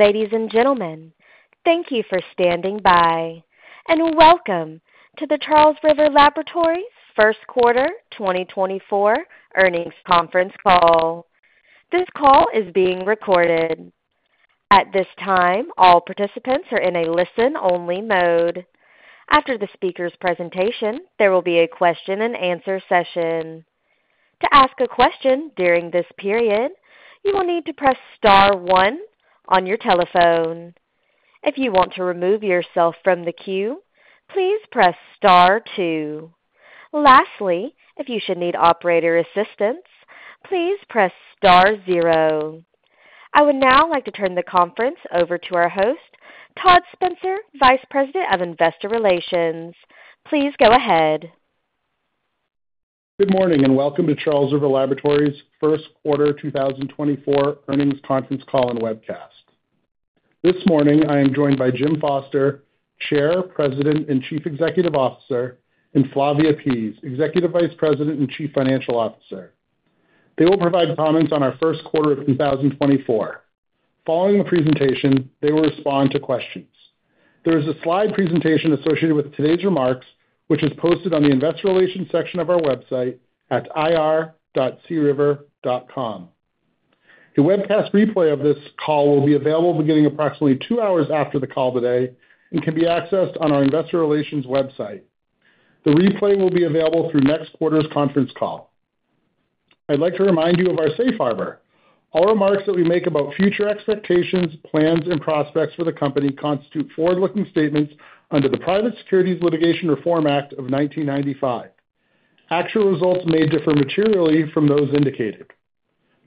Ladies and gentlemen, thank you for standing by and welcome to the Charles River Laboratories first quarter 2024 earnings conference call. This call is being recorded. At this time, all participants are in a listen-only mode. After the speaker's presentation, there will be a question-and-answer session. To ask a question during this period, you will need to press star one on your telephone. If you want to remove yourself from the queue, please press star two. Lastly, if you should need operator assistance, please press star zero. I would now like to turn the conference over to our host, Todd Spencer, Vice President of Investor Relations. Please go ahead. Good morning and welcome to Charles River Laboratories first quarter 2024 earnings conference call and webcast. This morning, I am joined by Jim Foster, Chair, President, and Chief Executive Officer, and Flavia Pease, Executive Vice President and Chief Financial Officer. They will provide comments on our first quarter of 2024. Following the presentation, they will respond to questions. There is a slide presentation associated with today's remarks, which is posted on the Investor Relations section of our website at ir.criver.com. A webcast replay of this call will be available beginning approximately two hours after the call today and can be accessed on our Investor Relations website. The replay will be available through next quarter's conference call. I'd like to remind you of our safe harbor. All remarks that we make about future expectations, plans, and prospects for the company constitute forward-looking statements under the Private Securities Litigation Reform Act of 1995. Actual results may differ materially from those indicated.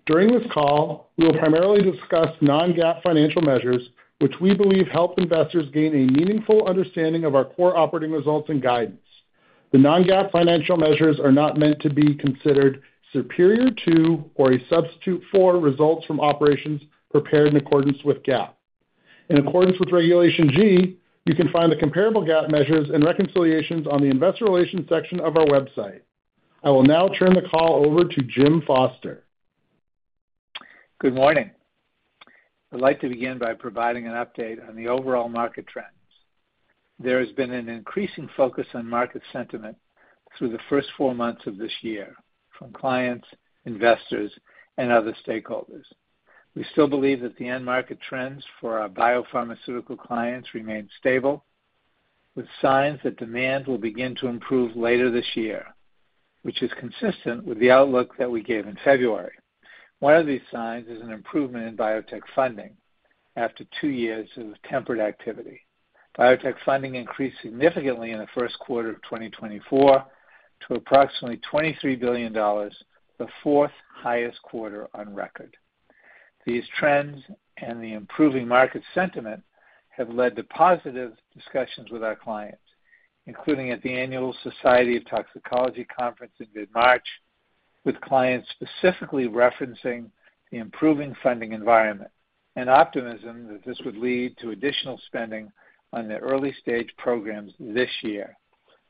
During this call, we will primarily discuss non-GAAP financial measures, which we believe help investors gain a meaningful understanding of our core operating results and guidance. The non-GAAP financial measures are not meant to be considered superior to or a substitute for results from operations prepared in accordance with GAAP. In accordance with Regulation G, you can find the comparable GAAP measures and reconciliations on the Investor Relations section of our website. I will now turn the call over to Jim Foster. Good morning. I'd like to begin by providing an update on the overall market trends. There has been an increasing focus on market sentiment through the first four months of this year from clients, investors, and other stakeholders. We still believe that the end market trends for our biopharmaceutical clients remain stable, with signs that demand will begin to improve later this year, which is consistent with the outlook that we gave in February. One of these signs is an improvement in biotech funding after two years of tempered activity. Biotech funding increased significantly in the first quarter of 2024 to approximately $23 billion, the fourth highest quarter on record. These trends and the improving market sentiment have led to positive discussions with our clients, including at the annual Society of Toxicology conference in mid-March, with clients specifically referencing the improving funding environment and optimism that this would lead to additional spending on their early-stage programs this year.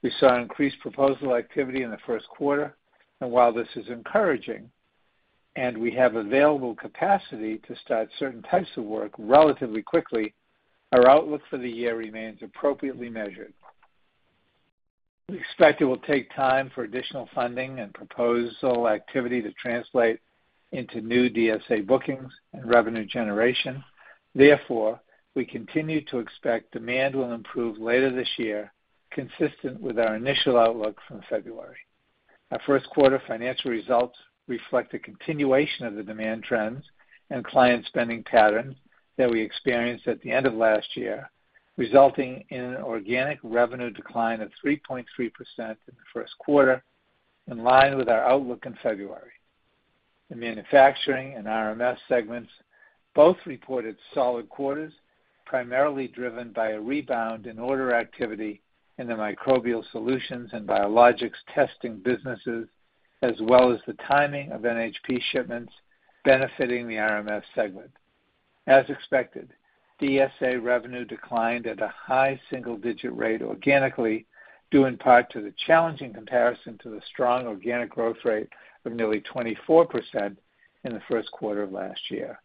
We saw increased proposal activity in the first quarter, and while this is encouraging and we have available capacity to start certain types of work relatively quickly, our outlook for the year remains appropriately measured. We expect it will take time for additional funding and proposal activity to translate into new DSA bookings and revenue generation. Therefore, we continue to expect demand will improve later this year, consistent with our initial outlook from February. Our first quarter financial results reflect a continuation of the demand trends and client spending patterns that we experienced at the end of last year, resulting in an organic revenue decline of 3.3% in the first quarter, in line with our outlook in February. The Manufacturing and RMS segments both reported solid quarters, primarily driven by a rebound in order activity in the Microbial Solutions and Biologics Testing businesses, as well as the timing of NHP shipments benefiting the RMS segment. As expected, DSA revenue declined at a high single-digit rate organically, due in part to the challenging comparison to the strong organic growth rate of nearly 24% in the first quarter of last year.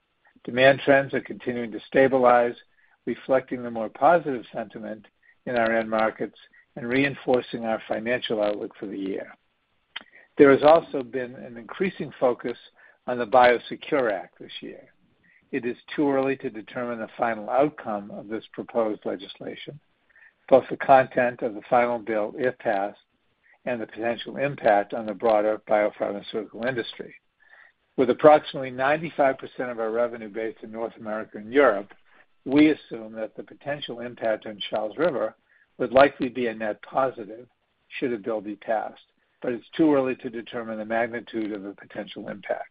Demand trends are continuing to stabilize, reflecting the more positive sentiment in our end markets and reinforcing our financial outlook for the year. There has also been an increasing focus on the Biosecure Act this year. It is too early to determine the final outcome of this proposed legislation, both the content of the final bill if passed and the potential impact on the broader biopharmaceutical industry. With approximately 95% of our revenue based in North America and Europe, we assume that the potential impact on Charles River would likely be a net positive should a bill be passed, but it's too early to determine the magnitude of the potential impact.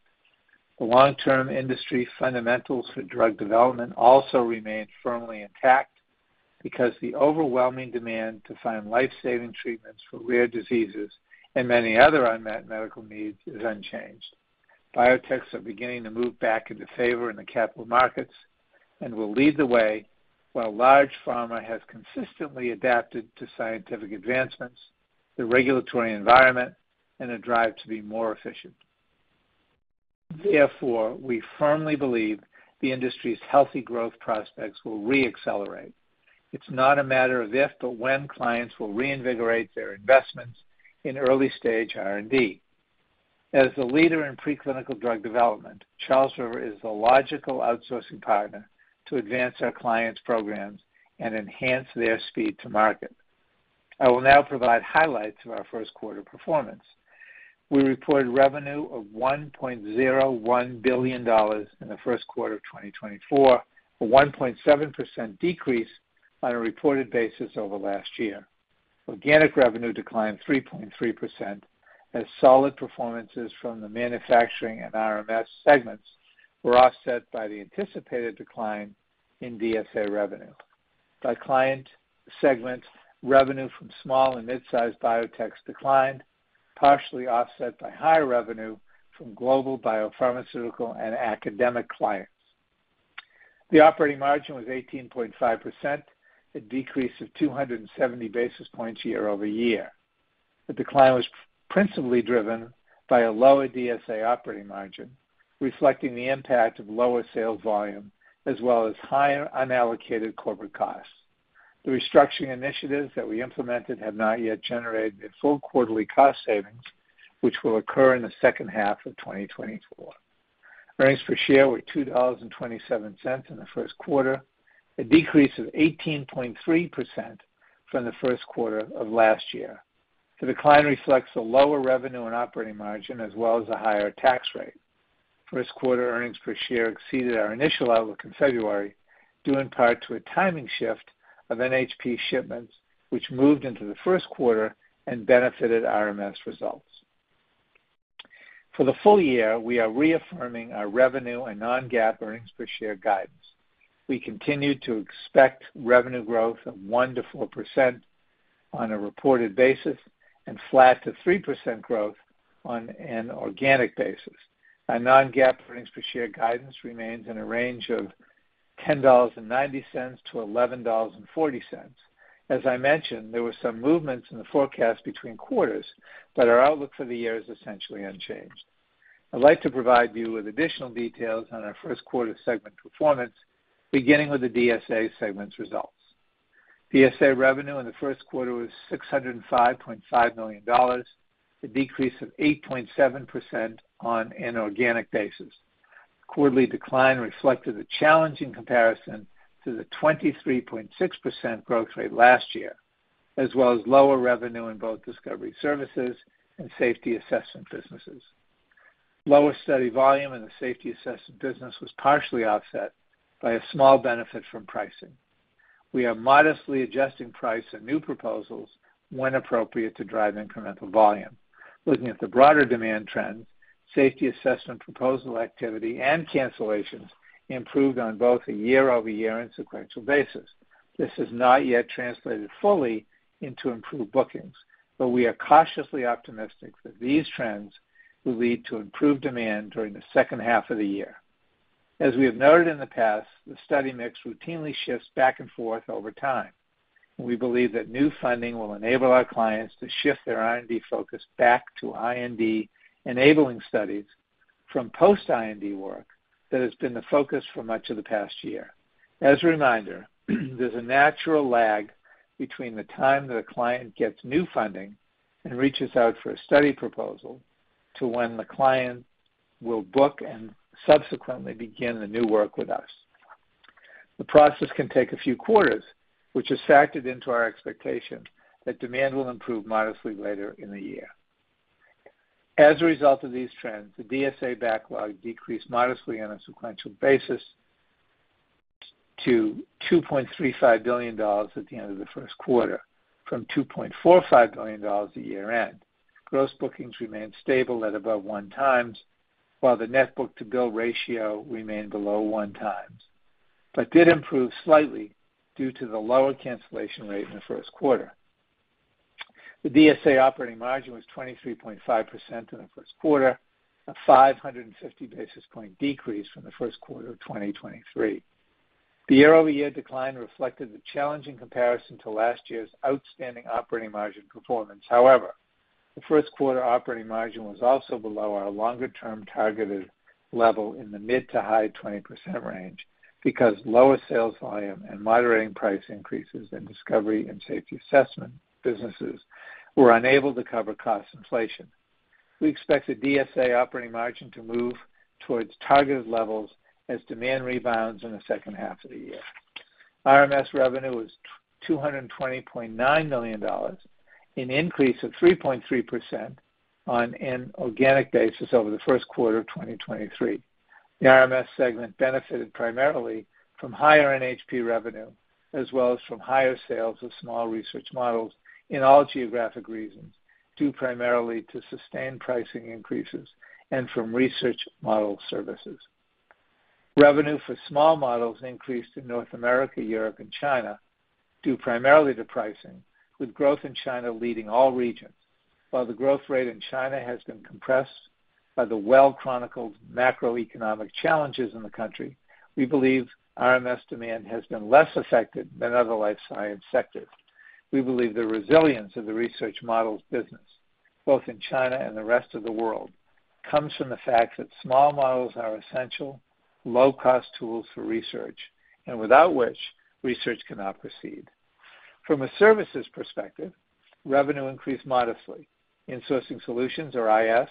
The long-term industry fundamentals for drug development also remain firmly intact because the overwhelming demand to find life-saving treatments for rare diseases and many other unmet medical needs is unchanged. Biotechs are beginning to move back into favor in the capital markets and will lead the way while large pharma has consistently adapted to scientific advancements, the regulatory environment, and a drive to be more efficient. Therefore, we firmly believe the industry's healthy growth prospects will reaccelerate. It's not a matter of if, but when clients will reinvigorate their investments in early-stage R&D. As the leader in preclinical drug development, Charles River is the logical outsourcing partner to advance our clients' programs and enhance their speed to market. I will now provide highlights of our first quarter performance. We reported revenue of $1.01 billion in the first quarter of 2024, a 1.7% decrease on a reported basis over last year. Organic revenue declined 3.3%, as solid performances from the Manufacturing and RMS segments were offset by the anticipated decline in DSA revenue. By client segments, revenue from small and midsize biotechs declined, partially offset by higher revenue from global biopharmaceutical and academic clients. The operating margin was 18.5%, a decrease of 270 basis points year-over-year. The decline was principally driven by a lower DSA operating margin, reflecting the impact of lower sales volume as well as higher unallocated corporate costs. The restructuring initiatives that we implemented have not yet generated a full quarterly cost savings, which will occur in the second half of 2024. Earnings per share were $2.27 in the first quarter, a decrease of 18.3% from the first quarter of last year. The decline reflects a lower revenue and operating margin as well as a higher tax rate. First quarter earnings per share exceeded our initial outlook in February, due in part to a timing shift of NHP shipments, which moved into the first quarter and benefited RMS results. For the full-year, we are reaffirming our revenue and non-GAAP earnings per share guidance. We continue to expect revenue growth of 1%-4% on a reported basis and flat to 3% growth on an organic basis. Our non-GAAP earnings per share guidance remains in a range of $10.90-$11.40. As I mentioned, there were some movements in the forecast between quarters, but our outlook for the year is essentially unchanged. I'd like to provide you with additional details on our first quarter segment performance, beginning with the DSA segment's results. DSA revenue in the first quarter was $605.5 million, a decrease of 8.7% on an organic basis. Quarterly decline reflected a challenging comparison to the 23.6% growth rate last year, as well as lower revenue in both Discovery Services and Safety Assessment businesses. Lower study volume in the Safety Assessment business was partially offset by a small benefit from pricing. We are modestly adjusting price and new proposals when appropriate to drive incremental volume. Looking at the broader demand trends, Safety Assessment proposal activity and cancellations improved on both a year-over-year and sequential basis. This has not yet translated fully into improved bookings, but we are cautiously optimistic that these trends will lead to improved demand during the second half of the year. As we have noted in the past, the study mix routinely shifts back and forth over time, and we believe that new funding will enable our clients to shift their R&D focus back to IND-enabling studies from post-IND work that has been the focus for much of the past year. As a reminder, there's a natural lag between the time that a client gets new funding and reaches out for a study proposal to when the client will book and subsequently begin the new work with us. The process can take a few quarters, which is factored into our expectation that demand will improve modestly later in the year. As a result of these trends, the DSA backlog decreased modestly on a sequential basis to $2.35 billion at the end of the first quarter, from $2.45 billion at year-end. Gross bookings remained stable at above 1x, while the net book-to-bill ratio remained below 1x but did improve slightly due to the lower cancellation rate in the first quarter. The DSA operating margin was 23.5% in the first quarter, a 550 basis point decrease from the first quarter of 2023. The year-over-year decline reflected the challenging comparison to last year's outstanding operating margin performance. However, the first quarter operating margin was also below our longer-term targeted level in the mid- to high-20% range because lower sales volume and moderating price increases in Discovery and Safety Assessment businesses were unable to cover cost inflation. We expect the DSA operating margin to move towards targeted levels as demand rebounds in the second half of the year. RMS revenue was $220.9 million, an increase of 3.3% on an organic basis over the first quarter of 2023. The RMS segment benefited primarily from higher NHP revenue as well as from higher sales of small research models in all geographic regions, due primarily to sustained pricing increases and from research model services. Revenue for small models increased in North America, Europe, and China, due primarily to pricing, with growth in China leading all regions. While the growth rate in China has been compressed by the well-chronicled macroeconomic challenges in the country, we believe RMS demand has been less affected than other life science sectors. We believe the resilience of the research models business, both in China and the rest of the world, comes from the fact that small models are essential, low-cost tools for research, and without which research cannot proceed. From a services perspective, revenue increased modestly. Insourcing Solutions, or IS,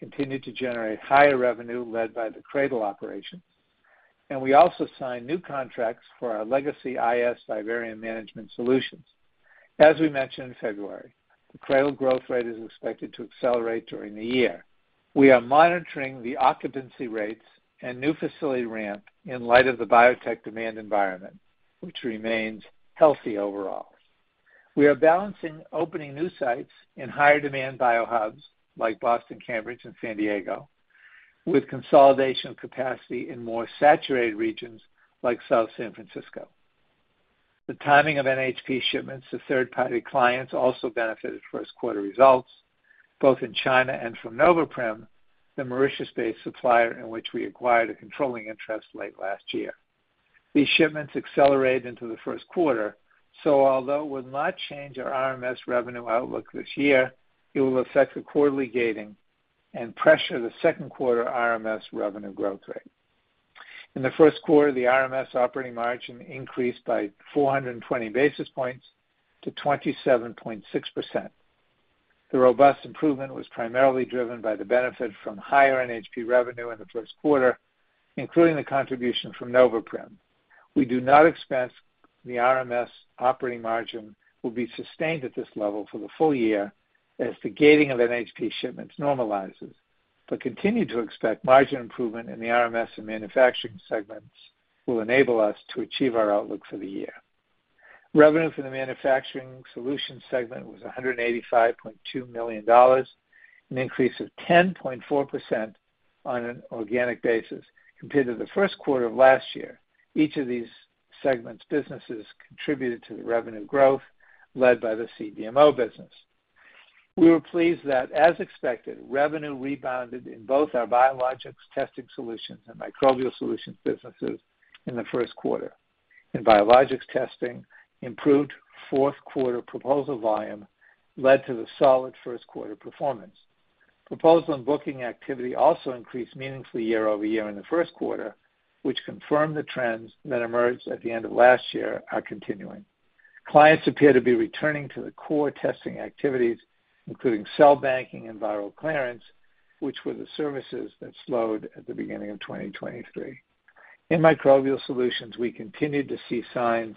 continued to generate higher revenue led by the CRADL operations, and we also signed new contracts for our legacy IS vivarium management solutions. As we mentioned in February, the CRADL growth rate is expected to accelerate during the year. We are monitoring the occupancy rates and new facility ramp in light of the biotech demand environment, which remains healthy overall. We are balancing opening new sites in higher-demand biohubs like Boston, Cambridge, and San Diego, with consolidation of capacity in more saturated regions like South San Francisco. The timing of NHP shipments to third-party clients also benefited first quarter results, both in China and from Noveprim, the Mauritius-based supplier in which we acquired a controlling interest late last year. These shipments accelerated into the first quarter, so although it will not change our RMS revenue outlook this year, it will affect the quarterly gating and pressure the second quarter RMS revenue growth rate. In the first quarter, the RMS operating margin increased by 420 basis points to 27.6%. The robust improvement was primarily driven by the benefit from higher NHP revenue in the first quarter, including the contribution from Noveprim. We do not expect the RMS operating margin will be sustained at this level for the full-year as the gating of NHP shipments normalizes, but continue to expect margin improvement in the RMS and Manufacturing segments will enable us to achieve our outlook for the year. Revenue for the Manufacturing Solutions segment was $185.2 million, an increase of 10.4% on an organic basis. Compared to the first quarter of last year, each of these segments' businesses contributed to the revenue growth led by the CDMO business. We were pleased that, as expected, revenue rebounded in both Biologics Testing solutions and Microbial Solutions businesses in the first quarter. In Biologics Testing, improved fourth quarter proposal volume led to the solid first quarter performance. Proposal and booking activity also increased meaningfully year-over-year in the first quarter, which confirmed the trends that emerged at the end of last year are continuing. Clients appear to be returning to the core testing activities, including cell banking and viral clearance, which were the services that slowed at the beginning of 2023. In Microbial Solutions, we continued to see signs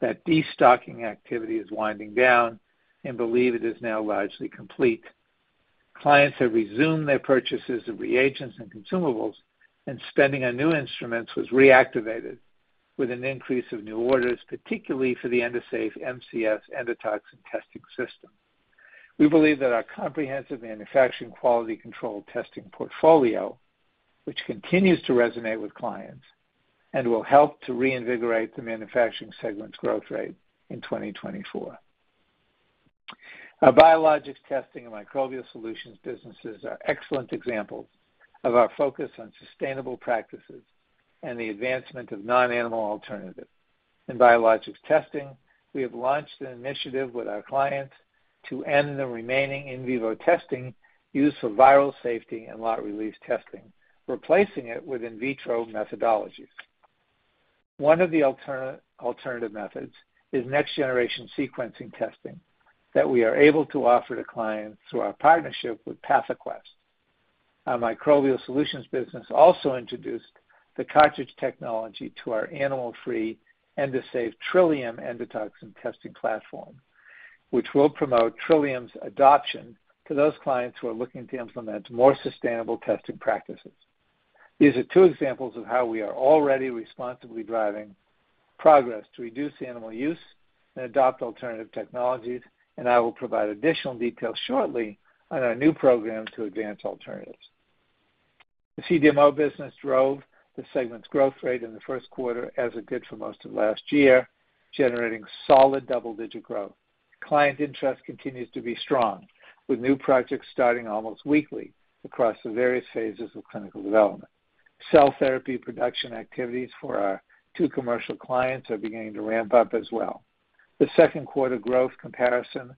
that destocking activity is winding down and believe it is now largely complete. Clients have resumed their purchases of reagents and consumables, and spending on new instruments was reactivated with an increase of new orders, particularly for the Endosafe MCS endotoxin testing system. We believe that our comprehensive Manufacturing quality control testing portfolio, which continues to resonate with clients and will help to reinvigorate the Manufacturing segments' growth rate in 2024. Our Biologics Testing and Microbial Solutions businesses are excellent examples of our focus on sustainable practices and the advancement of non-animal alternatives. In Biologics Testing, we have launched an initiative with our clients to end the remaining in vivo testing used for viral Safety and lot release testing, replacing it with in vitro methodologies. One of the alternative methods is next-generation sequencing testing that we are able to offer to clients through our partnership with PathoQuest. Our Microbial Solutions business also introduced the cartridge technology to our animal-free Endosafe Trillium endotoxin testing platform, which will promote Trillium's adoption to those clients who are looking to implement more sustainable testing practices. These are two examples of how we are already responsibly driving progress to reduce animal use and adopt alternative technologies, and I will provide additional details shortly on our new program to advance alternatives. The CDMO business drove the segments' growth rate in the first quarter as it did for most of last year, generating solid double-digit growth. Client interest continues to be strong, with new projects starting almost weekly across the various phases of clinical development. Cell therapy production activities for our two commercial clients are beginning to ramp up as well. The second quarter growth comparison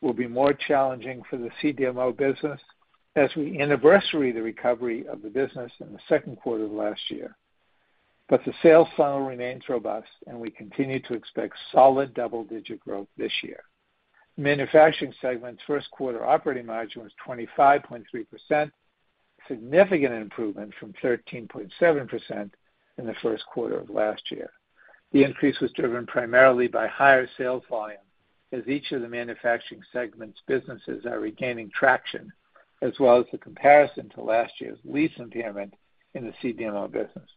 will be more challenging for the CDMO business as we anniversary the recovery of the business in the second quarter of last year, but the sales funnel remains robust, and we continue to expect solid double-digit growth this year. Manufacturing segments' first quarter operating margin was 25.3%, a significant improvement from 13.7% in the first quarter of last year. The increase was driven primarily by higher sales volume as each of the Manufacturing segments' businesses are regaining traction, as well as the comparison to last year's lease impairment in the CDMO business.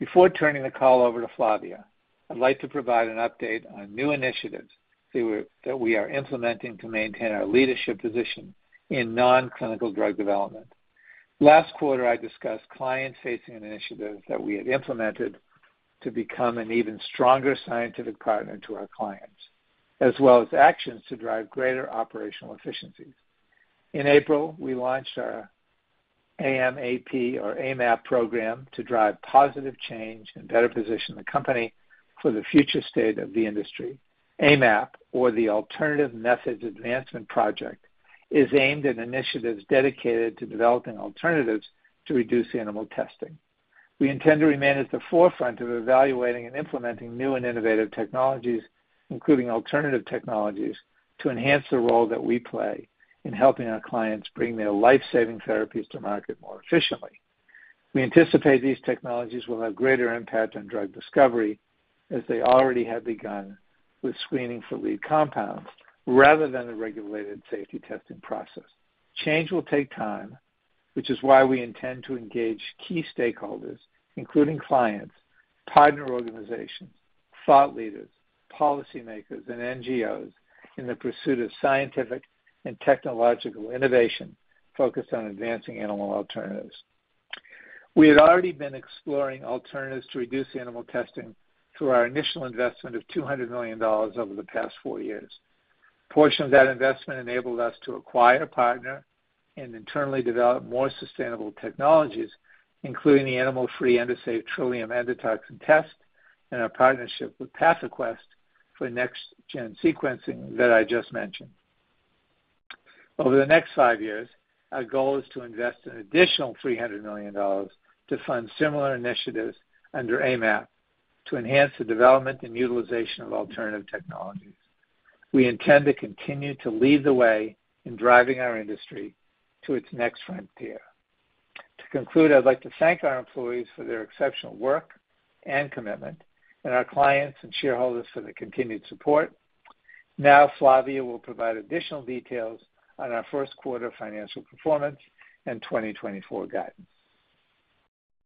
Before turning the call over to Flavia, I'd like to provide an update on new initiatives that we are implementing to maintain our leadership position in non-clinical drug development. Last quarter, I discussed client-facing initiatives that we had implemented to become an even stronger scientific partner to our clients, as well as actions to drive greater operational efficiencies. In April, we launched our AMAP, or AMAP, program to drive positive change and better position the company for the future state of the industry. AMAP, or the Alternative Methods Advancement Project, is aimed at initiatives dedicated to developing alternatives to reduce animal testing. We intend to remain at the forefront of evaluating and implementing new and innovative technologies, including alternative technologies, to enhance the role that we play in helping our clients bring their life-saving therapies to market more efficiently. We anticipate these technologies will have greater impact on drug Discovery as they already have begun with screening for lead compounds rather than the regulated Safety testing process. Change will take time, which is why we intend to engage key stakeholders, including clients, partner organizations, thought leaders, policymakers, and NGOs, in the pursuit of scientific and technological innovation focused on advancing animal alternatives. We had already been exploring alternatives to reduce animal testing through our initial investment of $200 million over the past four years. Portion of that investment enabled us to acquire a partner and internally develop more sustainable technologies, including the animal-free Endosafe Trillium endotoxin test and our partnership with PathoQuest for next-gen sequencing that I just mentioned. Over the next five years, our goal is to invest an additional $300 million to fund similar initiatives under AMAP to enhance the development and utilization of alternative technologies. We intend to continue to lead the way in driving our industry to its next frontier. To conclude, I'd like to thank our employees for their exceptional work and commitment, and our clients and shareholders for the continued support. Now, Flavia will provide additional details on our first quarter financial performance and 2024 guidance.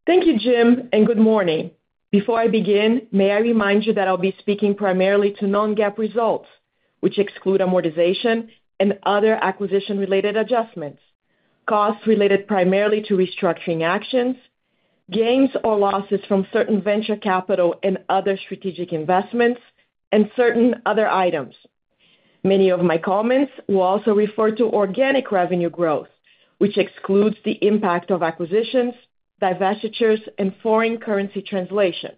Thank you, Jim, and good morning. Before I begin, may I remind you that I'll be speaking primarily to non-GAAP results, which exclude amortization and other acquisition-related adjustments, costs related primarily to restructuring actions, gains or losses from certain venture capital and other strategic investments, and certain other items. Many of my comments will also refer to organic revenue growth, which excludes the impact of acquisitions, divestitures, and foreign currency translation.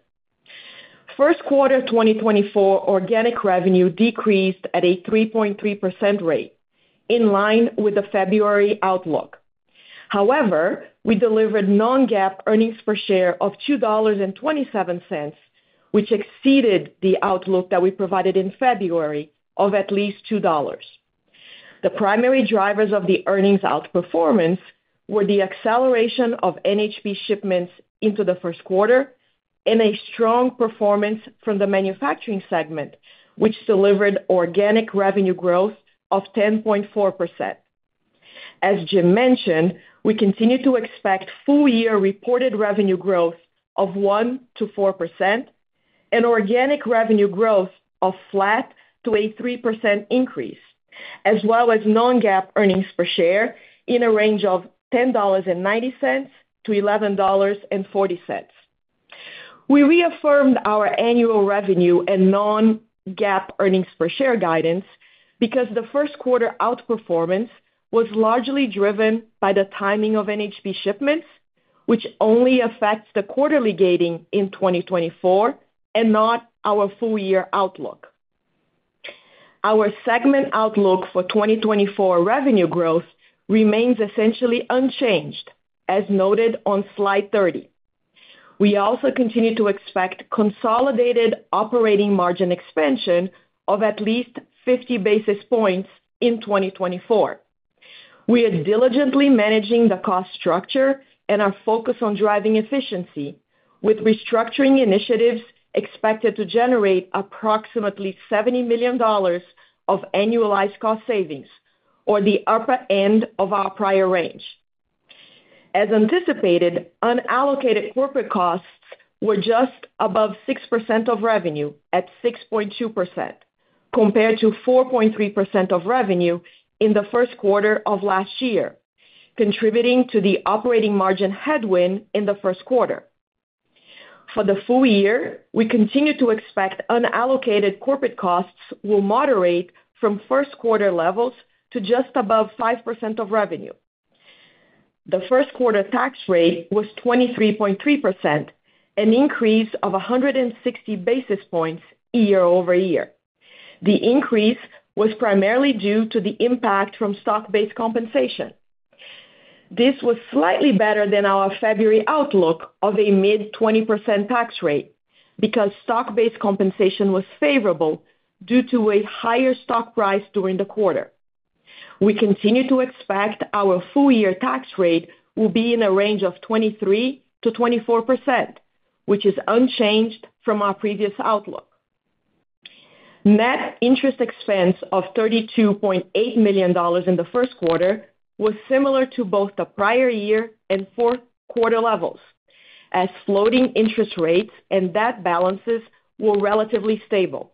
First quarter 2024 organic revenue decreased at a 3.3% rate, in line with the February outlook. However, we delivered non-GAAP earnings per share of $2.27, which exceeded the outlook that we provided in February of at least $2. The primary drivers of the earnings outperformance were the acceleration of NHP shipments into the first quarter and a strong performance from the Manufacturing segment, which delivered organic revenue growth of 10.4%. As Jim mentioned, we continue to expect full-year reported revenue growth of 1%-4% and organic revenue growth of flat to a 3% increase, as well as non-GAAP earnings per share in a range of $10.90-$11.40. We reaffirmed our annual revenue and non-GAAP earnings per share guidance because the first quarter outperformance was largely driven by the timing of NHP shipments, which only affects the quarterly gating in 2024and not our full-year outlook. Our segment outlook for 2024 revenue growth remains essentially unchanged, as noted on Slide 30. We also continue to expect consolidated operating margin expansion of at least 50 basis points in 2024. We are diligently managing the cost structure and our focus on driving efficiency, with restructuring initiatives expected to generate approximately $70 million of annualized cost savings, or the upper end of our prior range. As anticipated, unallocated corporate costs were just above 6% of revenue at 6.2% compared to 4.3% of revenue in the first quarter of last year, contributing to the operating margin headwind in the first quarter. For the full-year, we continue to expect unallocated corporate costs will moderate from first quarter levels to just above 5% of revenue. The first quarter tax rate was 23.3%, an increase of 160 basis points year-over-year. The increase was primarily due to the impact from stock-based compensation. This was slightly better than our February outlook of a mid-20% tax rate because stock-based compensation was favorable due to a higher stock price during the quarter. We continue to expect our full-year tax rate will be in a range of 23%-24%, which is unchanged from our previous outlook. Net interest expense of $32.8 million in the first quarter was similar to both the prior year and fourth quarter levels, as floating interest rates and debt balances were relatively stable.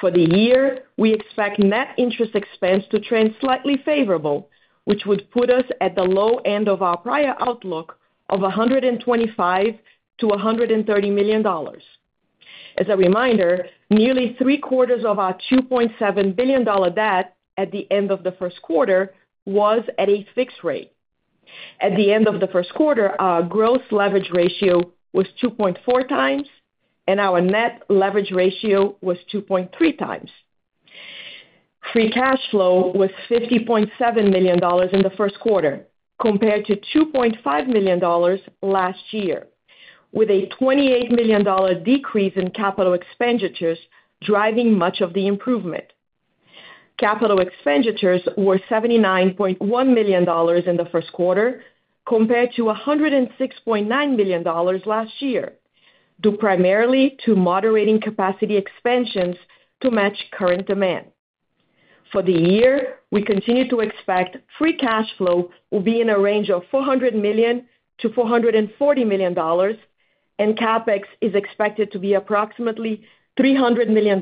For the year, we expect net interest expense to trend slightly favorable, which would put us at the low end of our prior outlook of $125-$130 million. As a reminder, nearly three-quarters of our $2.7 billion debt at the end of the first quarter was at a fixed rate. At the end of the first quarter, our gross leverage ratio was 2.4x, and our net leverage ratio was 2.3x. Free cash flow was $50.7 million in the first quarter compared to $2.5 million last year, with a $28 million decrease in capital expenditures driving much of the improvement. Capital expenditures were $79.1 million in the first quarter compared to $106.9 million last year, due primarily to moderating capacity expansions to match current demand. For the year, we continue to expect free cash flow will be in a range of $400 million-$440 million, and CapEx is expected to be approximately $300 million.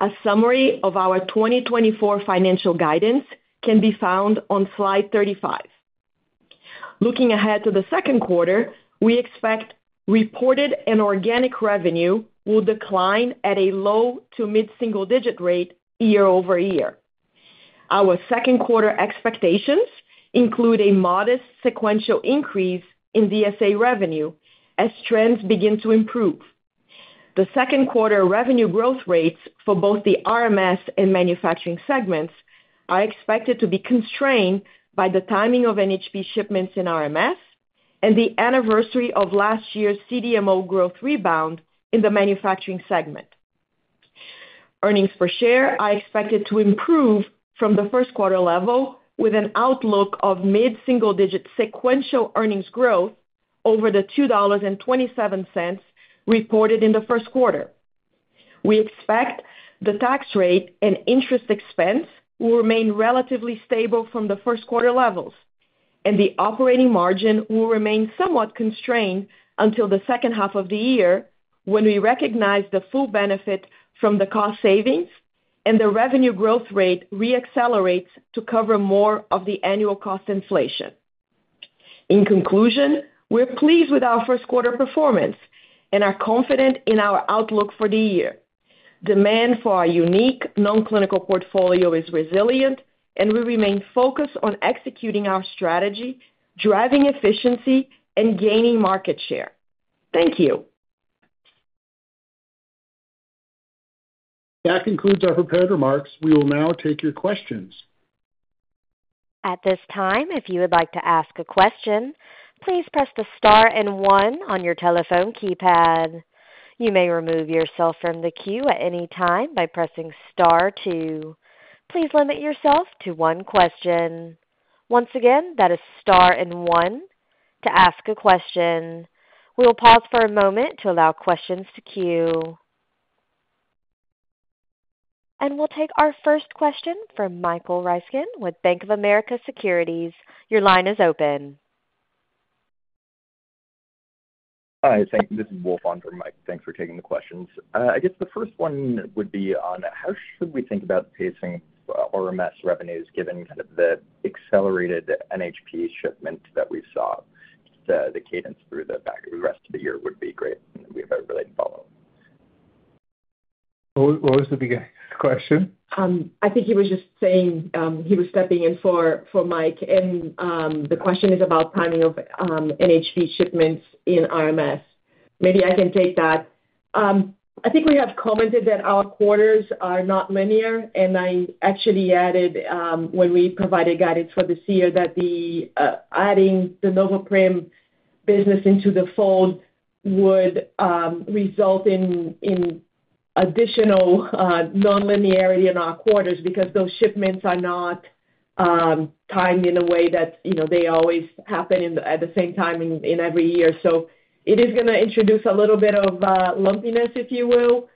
A summary of our 2024 financial guidance can be found on slide 35. Looking ahead to the second quarter, we expect reported and organic revenue will decline at a low to mid-single-digit rate year-over-year. Our second quarter expectations include a modest sequential increase in DSA revenue as trends begin to improve. The second quarter revenue growth rates for both the RMS and Manufacturing segments are expected to be constrained by the timing of NHP shipments in RMS and the anniversary of last year's CDMO growth rebound in the Manufacturing segment. Earnings per share are expected to improve from the first quarter level with an outlook of mid-single-digit sequential earnings growth over the $2.27 reported in the first quarter. We expect the tax rate and interest expense will remain relatively stable from the first quarter levels, and the operating margin will remain somewhat constrained until the second half of the year when we recognize the full benefit from the cost savings and the revenue growth rate reaccelerates to cover more of the annual cost inflation. In conclusion, we're pleased with our first quarter performance and are confident in our outlook for the year. Demand for our unique non-clinical portfolio is resilient, and we remain focused on executing our strategy, driving efficiency, and gaining market share. Thank you. That concludes our prepared remarks. We will now take your questions. At this time, if you would like to ask a question, please press the star and one on your telephone keypad. You may remove yourself from the queue at any time by pressing star two. Please limit yourself to one question. Once again, that is star and one to ask a question. We will pause for a moment to allow questions to queue. We'll take our first question from Michael Ryskin with Bank of America Securities. Your line is open. Hi, thanks. This is Wolf Chan for Mike. Thanks for taking the questions. I guess the first one would be on how should we think about pacing RMS revenues given kind of the accelerated NHP shipment that we saw? The cadence through the rest of the year would be great, and we have a related follow-up. What was the beginning of the question? I think he was just saying he was stepping in for Mike, and the question is about timing of NHP shipments in RMS. Maybe I can take that. I think we have commented that our quarters are not linear, and I actually added when we provided guidance for this year that adding the Noveprim business into the fold would result in additional nonlinearity in our quarters because those shipments are not timed in a way that they always happen at the same time in every year. So it is going to introduce a little bit of lumpiness, if you will,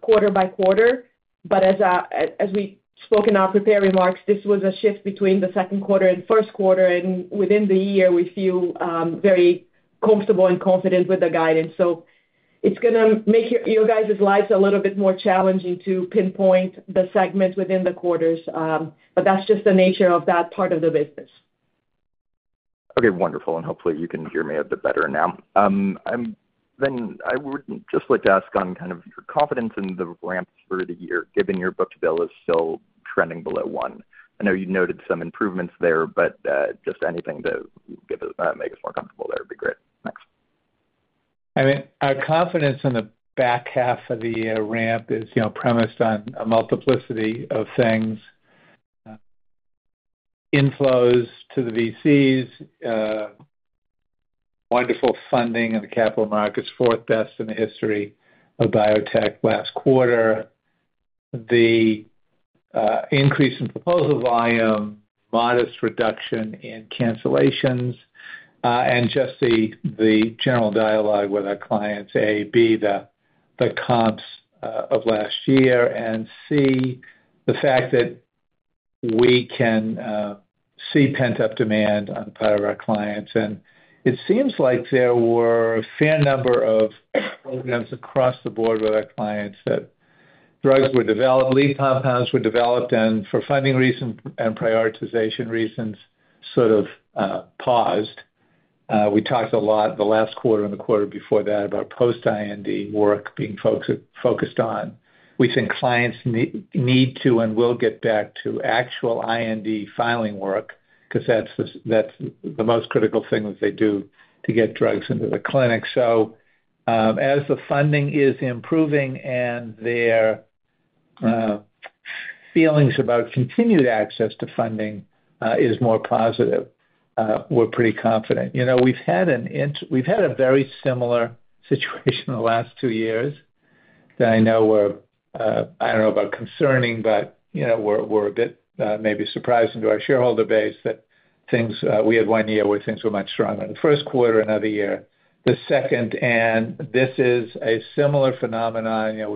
quarter by quarter. But as we spoke in our prepared remarks, this was a shift between the second quarter and first quarter, and within the year, we feel very comfortable and confident with the guidance. It's going to make your guys' lives a little bit more challenging to pinpoint the segments within the quarters, but that's just the nature of that part of the business. Okay, wonderful. Hopefully, you can hear me a bit better now. I would just like to ask on kind of your confidence in the ramp for the year given your booked bill is still trending below one. I know you noted some improvements there, but just anything to make us more comfortable there would be great. Thanks. I mean, our confidence in the back half of the year ramp is premised on a multiplicity of things. Inflows to the VCs, wonderful funding in the capital markets, fourth best in the history of biotech last quarter, the increase in proposal volume, modest reduction in cancellations, and just the general dialogue with our clients, A, B, the comps of last year, and C, the fact that we can see pent-up demand on the part of our clients. It seems like there were a fair number of programs across the board with our clients that drugs were developed, lead compounds were developed, and for funding reasons and prioritization reasons, sort of paused. We talked a lot the last quarter and the quarter before that about post-IND work being focused on. We think clients need to and will get back to actual IND filing work because that's the most critical thing that they do to get drugs into the clinic. So as the funding is improving and their feelings about continued access to funding is more positive, we're pretty confident. We've had a very similar situation in the last two years that I know were—I don't know about concerning, but were a bit maybe surprising to our shareholder base—that things we had one year where things were much stronger in the first quarter, another year, the second. And this is a similar phenomenon.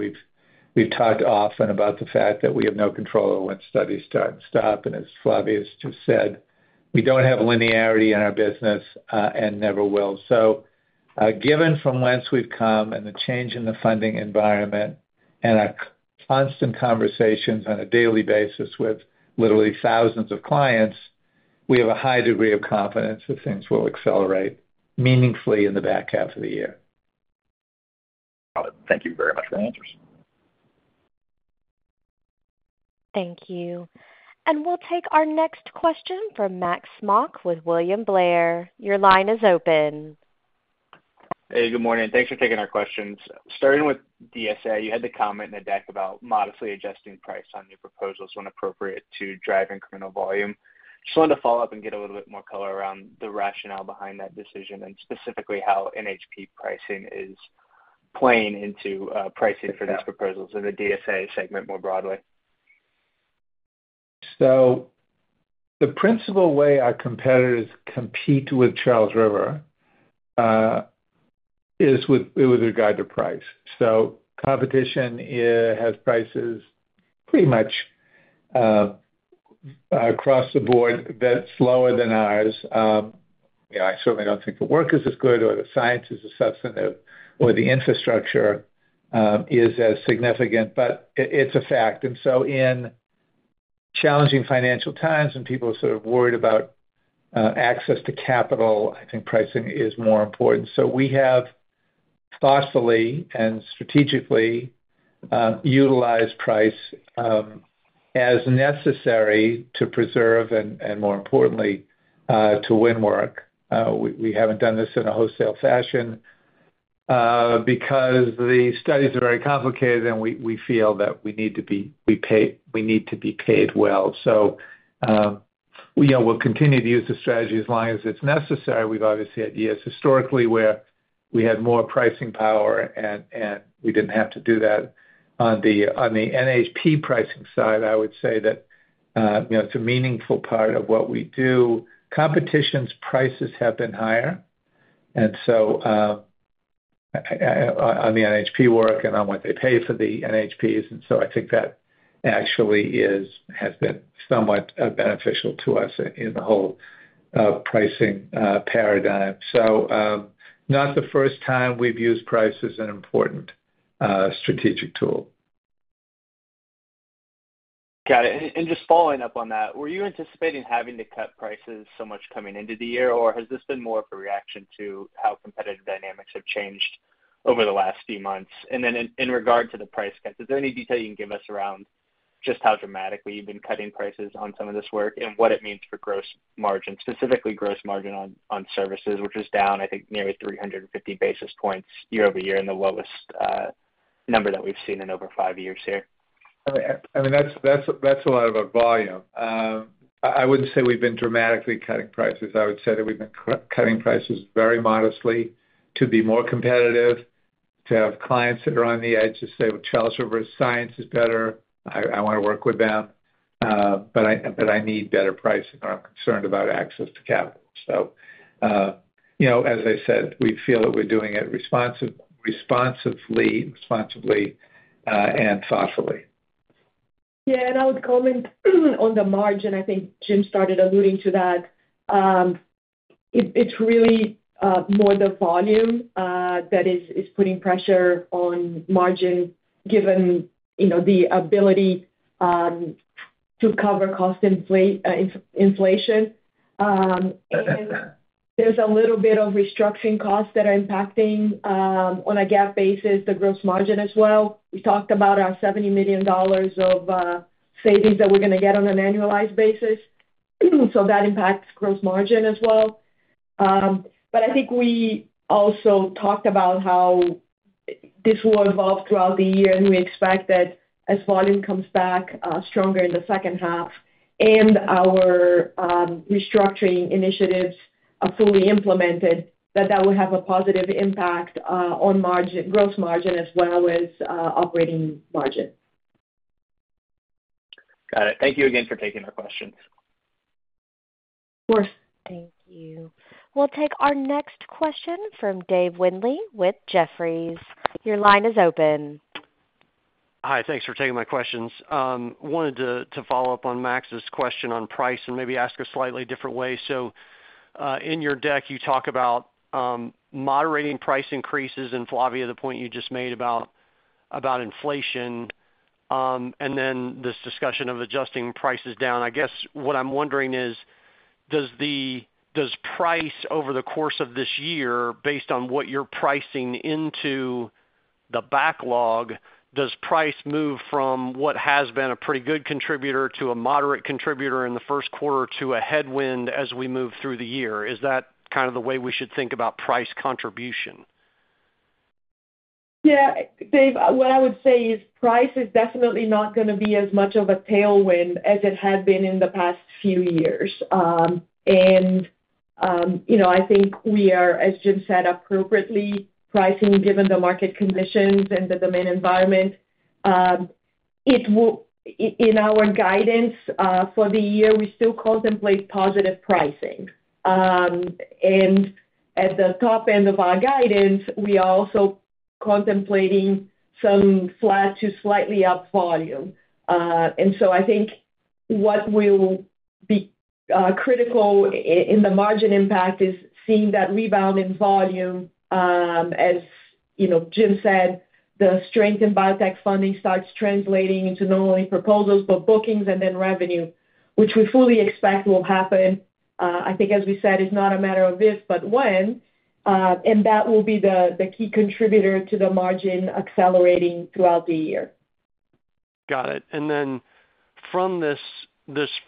We've talked often about the fact that we have no control over when studies start and stop. And as Flavia has just said, we don't have linearity in our business and never will. So given from whence we've come and the change in the funding environment and our constant conversations on a daily basis with literally thousands of clients, we have a high degree of confidence that things will accelerate meaningfully in the back half of the year. Got it. Thank you very much for the answers. Thank you. We'll take our next question from Max Smock with William Blair. Your line is open. Hey, good morning. Thanks for taking our questions. Starting with DSA, you had the comment in the deck about modestly adjusting price on new proposals when appropriate to drive incremental volume. Just wanted to follow up and get a little bit more color around the rationale behind that decision and specifically how NHP pricing is playing into pricing for these proposals and the DSA segment more broadly. So the principal way our competitors compete with Charles River is with regard to price. So competitors have prices pretty much across the board that's lower than ours. I certainly don't think the work is as good or the science is as substantive or the infrastructure is as significant, but it's a fact. And so in challenging financial times when people are sort of worried about access to capital, I think pricing is more important. So we have thoughtfully and strategically utilized price as necessary to preserve and, more importantly, to win work. We haven't done this in a wholesale fashion because the studies are very complicated, and we feel that we need to be paid well. So we'll continue to use the strategy as long as it's necessary. We've obviously had years historically where we had more pricing power, and we didn't have to do that. On the NHP pricing side, I would say that it's a meaningful part of what we do. Competition's prices have been higher on the NHP work and on what they pay for the NHPs. And so I think that actually has been somewhat beneficial to us in the whole pricing paradigm. So not the first time we've used price as an important strategic tool. Got it. And just following up on that, were you anticipating having to cut prices so much coming into the year, or has this been more of a reaction to how competitive dynamics have changed over the last few months? And then in regard to the price cuts, is there any detail you can give us around just how dramatically you've been cutting prices on some of this work and what it means for gross margin, specifically gross margin on services, which is down, I think, nearly 350 basis points year-over-year and the lowest number that we've seen in over five years here? I mean, that's a lot of volume. I wouldn't say we've been dramatically cutting prices. I would say that we've been cutting prices very modestly to be more competitive, to have clients that are on the edge to say, "Well, Charles River's science is better. I want to work with them, but I need better pricing, or I'm concerned about access to capital." So as I said, we feel that we're doing it responsibly and thoughtfully. Yeah, and I would comment on the margin. I think Jim started alluding to that. It's really more the volume that is putting pressure on margin given the ability to cover cost inflation. And there's a little bit of restructuring costs that are impacting on a GAAP basis the gross margin as well. We talked about our $70 million of savings that we're going to get on an annualized basis. So that impacts gross margin as well. But I think we also talked about how this will evolve throughout the year, and we expect that as volume comes back stronger in the second half and our restructuring initiatives are fully implemented, that that will have a positive impact on gross margin as well as operating margin. Got it. Thank you again for taking our questions. Of course. Thank you. We'll take our next question from David Windley with Jefferies. Your line is open. Hi, thanks for taking my questions. Wanted to follow up on Max's question on price and maybe ask a slightly different way. So in your deck, you talk about moderating price increases in Flavia, the point you just made about inflation, and then this discussion of adjusting prices down. I guess what I'm wondering is, does price over the course of this year, based on what you're pricing into the backlog, does price move from what has been a pretty good contributor to a moderate contributor in the first quarter to a headwind as we move through the year? Is that kind of the way we should think about price contribution? Yeah, Dave, what I would say is price is definitely not going to be as much of a tailwind as it had been in the past few years. And I think we are, as Jim said, appropriately pricing given the market conditions and the domain environment. In our guidance for the year, we still contemplate positive pricing. And at the top end of our guidance, we are also contemplating some flat to slightly up volume. And so I think what will be critical in the margin impact is seeing that rebound in volume. As Jim said, the strength in biotech funding starts translating into not only proposals but bookings and then revenue, which we fully expect will happen. I think, as we said, it's not a matter of if but when, and that will be the key contributor to the margin accelerating throughout the year. Got it. And then from this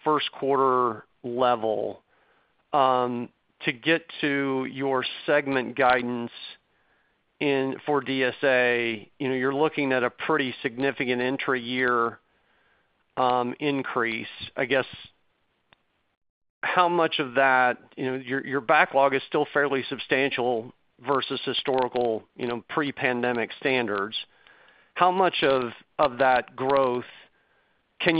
first quarter level, to get to your segment guidance for DSA, you're looking at a pretty significant entry-year increase. I guess how much of that your backlog is still fairly substantial versus historical pre-pandemic standards? How much of that growth can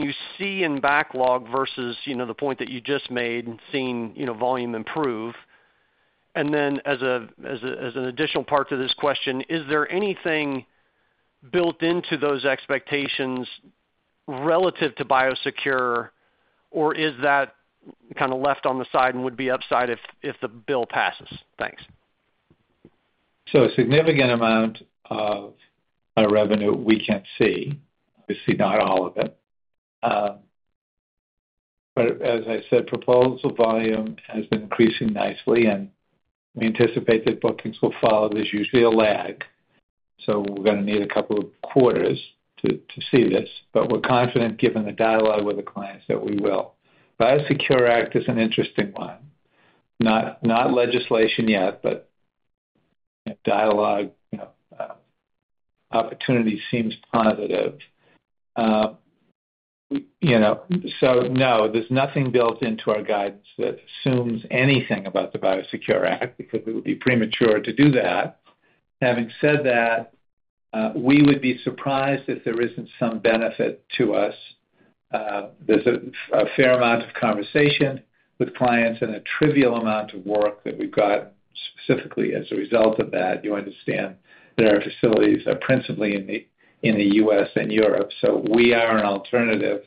you see in backlog versus the point that you just made, seeing volume improve? And then as an additional part to this question, is there anything built into those expectations relative to Biosecure, or is that kind of left on the side and would be upside if the bill passes? Thanks. So a significant amount of revenue, we can't see. We see not all of it. But as I said, proposal volume has been increasing nicely, and we anticipate that bookings will follow. There's usually a lag. So we're going to need a couple of quarters to see this, but we're confident given the dialogue with the clients that we will. Biosecure Act is an interesting one. Not legislation yet, but dialogue opportunity seems positive. So no, there's nothing built into our guidance that assumes anything about the Biosecure Act because it would be premature to do that. Having said that, we would be surprised if there isn't some benefit to us. There's a fair amount of conversation with clients and a trivial amount of work that we've got specifically as a result of that. You understand that our facilities are principally in the U.S. and Europe. We are an alternative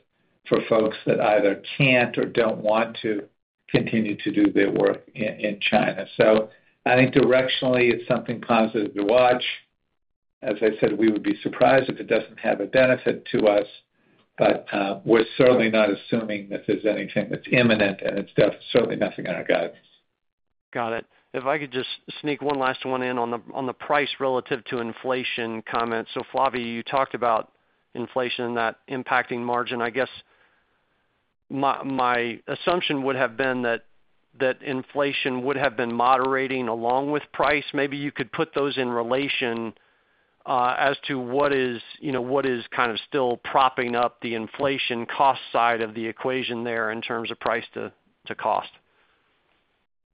for folks that either can't or don't want to continue to do their work in China. I think directionally, it's something positive to watch. As I said, we would be surprised if it doesn't have a benefit to us, but we're certainly not assuming that there's anything that's imminent, and it's certainly nothing on our guidance. Got it. If I could just sneak one last one in on the price relative to inflation comments. So Flavia, you talked about inflation and that impacting margin. I guess my assumption would have been that inflation would have been moderating along with price. Maybe you could put those in relation as to what is kind of still propping up the inflation cost side of the equation there in terms of price to cost.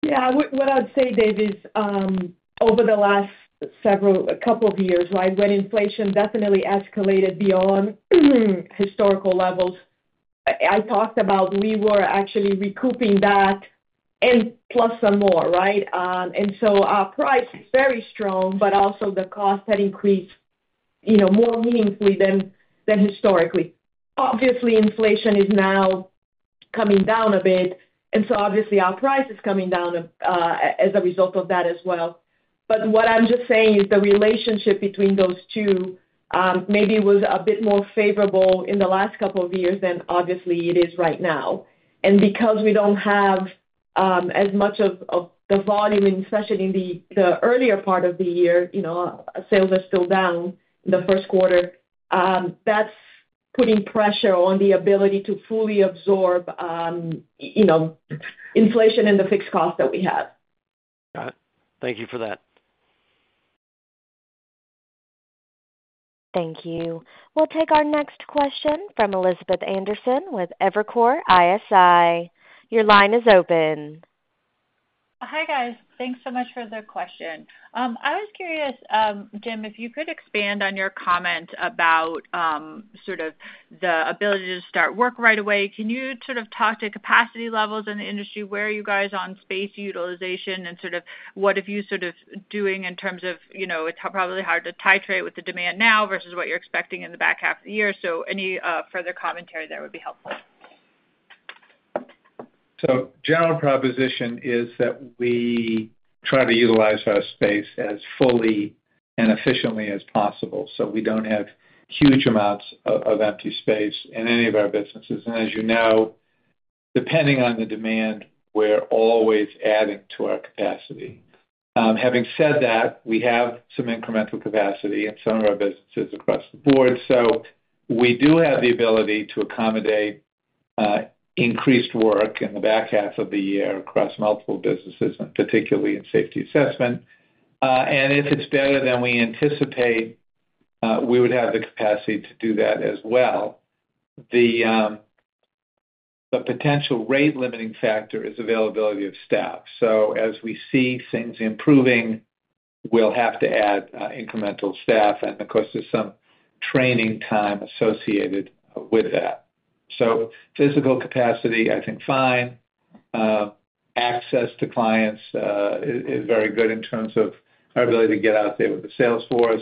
Yeah. What I'd say, Dave, is over the last couple of years, right, when inflation definitely escalated beyond historical levels, I talked about we were actually recouping that and plus some more, right? And so our price is very strong, but also the cost had increased more meaningfully than historically. Obviously, inflation is now coming down a bit, and so obviously, our price is coming down as a result of that as well. But what I'm just saying is the relationship between those two maybe was a bit more favorable in the last couple of years than, obviously, it is right now. And because we don't have as much of the volume, especially in the earlier part of the year, sales are still down in the first quarter, that's putting pressure on the ability to fully absorb inflation and the fixed cost that we have. Got it. Thank you for that. Thank you. We'll take our next question from Elizabeth Anderson with Evercore ISI. Your line is open. Hi, guys. Thanks so much for the question. I was curious, Jim, if you could expand on your comment about sort of the ability to start work right away. Can you sort of talk to capacity levels in the industry? Where are you guys on space utilization, and sort of what have you sort of doing in terms of it's probably hard to titrate with the demand now versus what you're expecting in the back half of the year? So any further commentary there would be helpful. So, general proposition is that we try to utilize our space as fully and efficiently as possible so we don't have huge amounts of empty space in any of our businesses. And as you know, depending on the demand, we're always adding to our capacity. Having said that, we have some incremental capacity in some of our businesses across the board. So we do have the ability to accommodate increased work in the back half of the year across multiple businesses, and particularly in Safety Assessment. And if it's better than we anticipate, we would have the capacity to do that as well. The potential rate-limiting factor is availability of staff. So as we see things improving, we'll have to add incremental staff, and of course, there's some training time associated with that. So physical capacity, I think, fine. Access to clients is very good in terms of our ability to get out there with the sales force.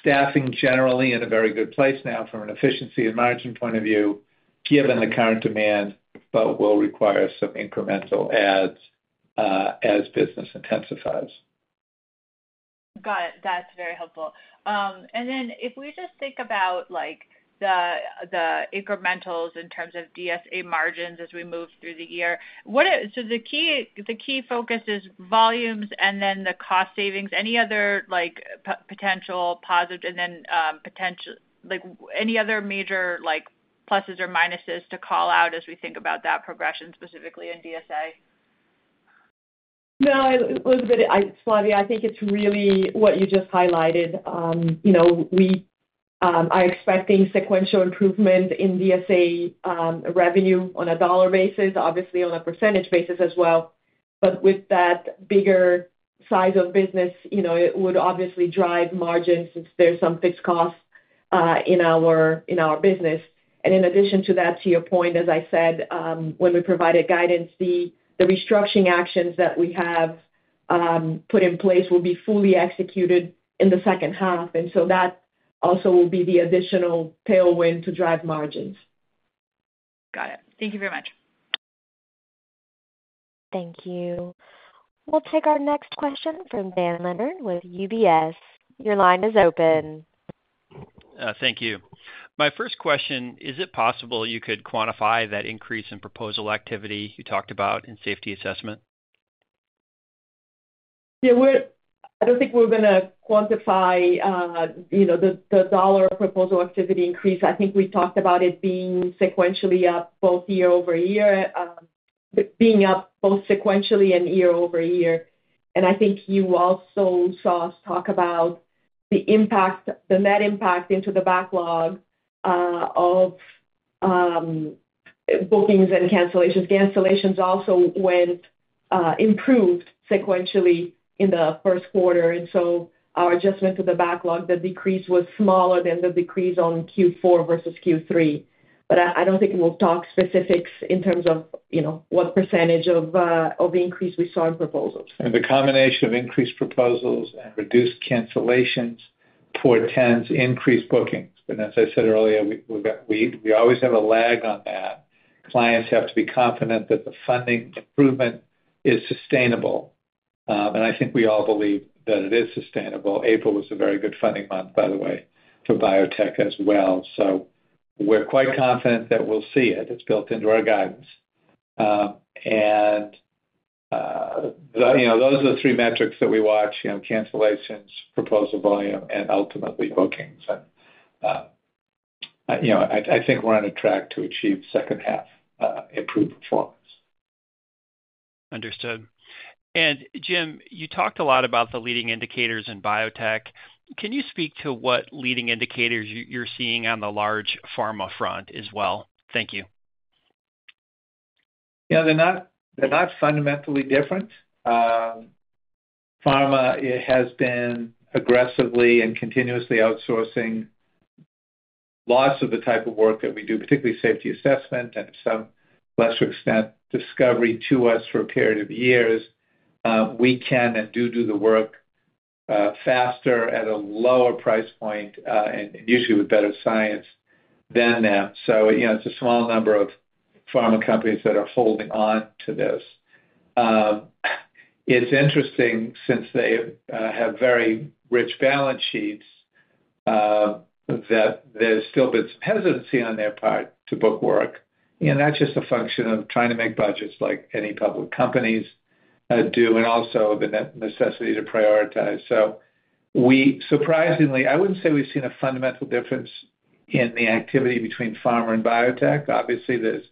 Staffing generally in a very good place now from an efficiency and margin point of view given the current demand, but will require some incremental adds as business intensifies. Got it. That's very helpful. And then if we just think about the incrementals in terms of DSA margins as we move through the year, so the key focus is volumes and then the cost savings. Any other potential positives and then any other major pluses or minuses to call out as we think about that progression specifically in DSA? No, Elizabeth, Flavia, I think it's really what you just highlighted. I expect sequential improvement in DSA revenue on a dollar basis, obviously on a percentage basis as well. But with that bigger size of business, it would obviously drive margins since there's some fixed costs in our business. And in addition to that, to your point, as I said, when we provided guidance, the restructuring actions that we have put in place will be fully executed in the second half. And so that also will be the additional tailwind to drive margins. Got it. Thank you very much. Thank you. We'll take our next question from Dan Leonard with UBS. Your line is open. Thank you. My first question, is it possible you could quantify that increase in proposal activity you talked about in Safety Assessment? Yeah, I don't think we're going to quantify the dollar proposal activity increase. I think we talked about it being sequentially up both year-over-year, being up both sequentially and year-over-year. And I think you also saw us talk about the net impact into the backlog of bookings and cancellations. Cancellations also improved sequentially in the first quarter. And so our adjustment to the backlog, the decrease was smaller than the decrease on Q4 versus Q3. But I don't think we'll talk specifics in terms of what percentage of the increase we saw in proposals. And the combination of increased proposals and reduced cancellations portends increased bookings. But as I said earlier, we always have a lag on that. Clients have to be confident that the funding improvement is sustainable. And I think we all believe that it is sustainable. April was a very good funding month, by the way, for biotech as well. So we're quite confident that we'll see it. It's built into our guidance. And those are the three metrics that we watch: cancellations, proposal volume, and ultimately bookings. And I think we're on track to achieve second-half improved performance. Understood. And Jim, you talked a lot about the leading indicators in biotech. Can you speak to what leading indicators you're seeing on the large pharma front as well? Thank you. Yeah, they're not fundamentally different. Pharma, it has been aggressively and continuously outsourcing lots of the type of work that we do, particularly Safety Assessment and to some lesser extent, Discovery to us for a period of years. We can and do do the work faster at a lower price point and usually with better science than them. So it's a small number of pharma companies that are holding on to this. It's interesting since they have very rich balance sheets that there's still been some hesitancy on their part to book work. And that's just a function of trying to make budgets like any public companies do and also the necessity to prioritize. So surprisingly, I wouldn't say we've seen a fundamental difference in the activity between pharma and biotech. Obviously, there's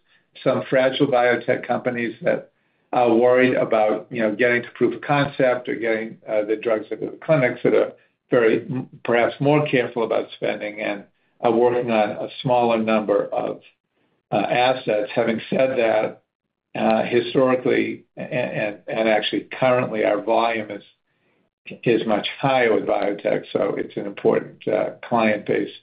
some fragile biotech companies that are worried about getting to proof of concept or getting the drugs into the clinics that are perhaps more careful about spending and are working on a smaller number of assets. Having said that, historically and actually currently, our volume is much higher with biotech. So it's an important client base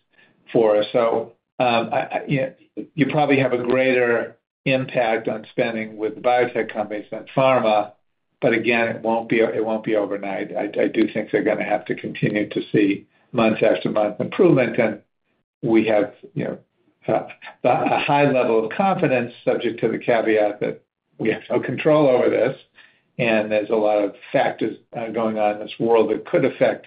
for us. So you probably have a greater impact on spending with biotech companies than pharma. But again, it won't be overnight. I do think they're going to have to continue to see month after month improvement. And we have a high level of confidence subject to the caveat that we have no control over this. And there's a lot of factors going on in this world that could affect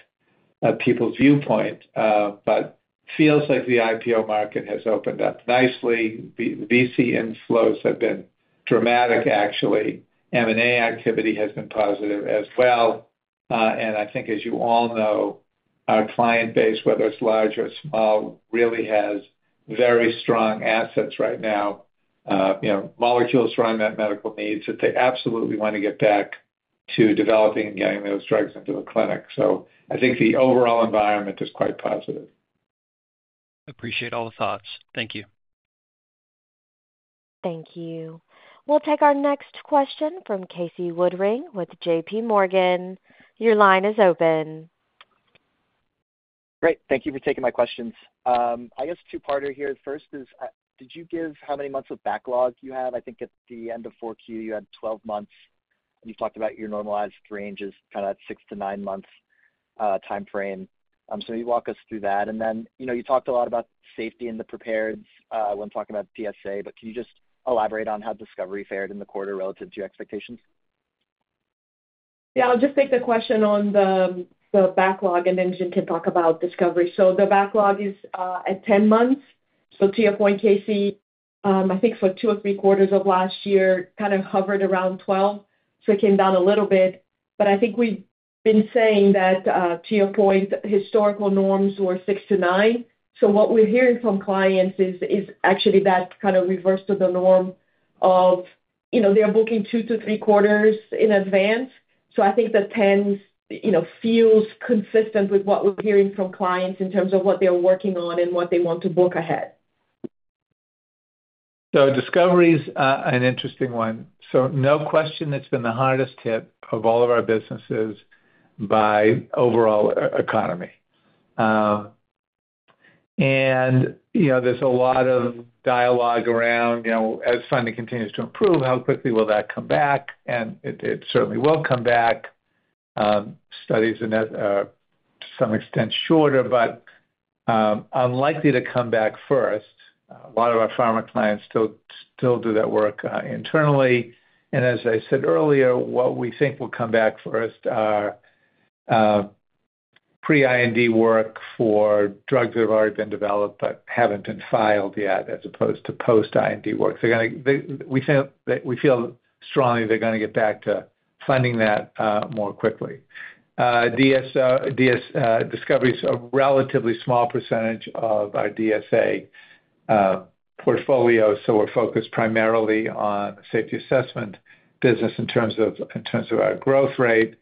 people's viewpoint, but feels like the IPO market has opened up nicely. VC inflows have been dramatic, actually. M&A activity has been positive as well. I think, as you all know, our client base, whether it's large or small, really has very strong assets right now, molecules for unmet medical needs that they absolutely want to get back to developing and getting those drugs into the clinic. I think the overall environment is quite positive. Appreciate all the thoughts. Thank you. Thank you. We'll take our next question from Casey Woodring with J.P. Morgan. Your line is open. Great. Thank you for taking my questions. I guess two-parter here. First is, did you give how many months of backlog you have? I think at the end of 4Q, you had 12 months. And you've talked about your normalized ranges, kind of that 6-9 months timeframe. So maybe walk us through that. And then you talked a lot about Safety and the prepared when talking about DSA, but can you just elaborate on how Discovery fared in the quarter relative to your expectations? Yeah, I'll just take the question on the backlog, and then Jim can talk about Discovery. So the backlog is at 10 months. So to your point, Casey, I think for two or three quarters of last year, kind of hovered around 12. So it came down a little bit. But I think we've been saying that to your point, historical norms were 6-9. So what we're hearing from clients is actually that kind of reverse to the norm of they're booking 2-3 quarters in advance. So I think the 10 feels consistent with what we're hearing from clients in terms of what they're working on and what they want to book ahead. So Discovery is an interesting one. No question that's been the hardest hit of all of our businesses by the overall economy. There's a lot of dialogue around, as funding continues to improve, how quickly will that come back? It certainly will come back. Studies are to some extent shorter, but unlikely to come back first. A lot of our pharma clients still do that work internally. And as I said earlier, what we think will come back first are pre-IND work for drugs that have already been developed but haven't been filed yet as opposed to post-IND work. We feel strongly they're going to get back to funding that more quickly. Discovery is a relatively small percentage of our DSA portfolio. So we're focused primarily on Safety Assessment business in terms of our growth rate.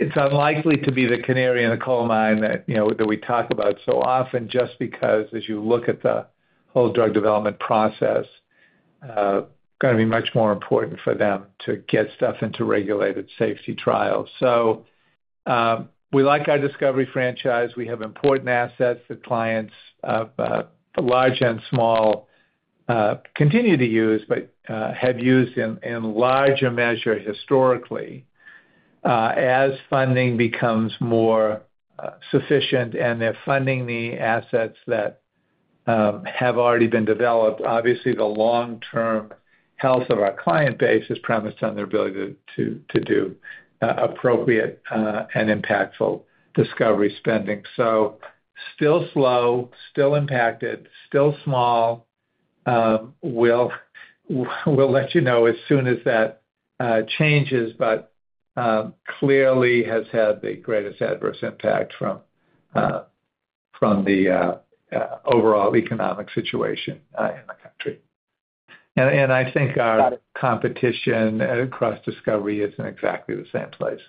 It's unlikely to be the canary in the coal mine that we talk about so often just because, as you look at the whole drug development process, it's going to be much more important for them to get stuff into regulated Safety trials. We like our Discovery franchise. We have important assets that clients, large and small, continue to use but have used in larger measure historically. As funding becomes more sufficient and they're funding the assets that have already been developed, obviously, the long-term health of our client base is premised on their ability to do appropriate and impactful Discovery spending. Still slow, still impacted, still small, we'll let you know as soon as that changes, but clearly has had the greatest adverse impact from the overall economic situation in the country. I think our competition across Discovery isn't exactly the same place.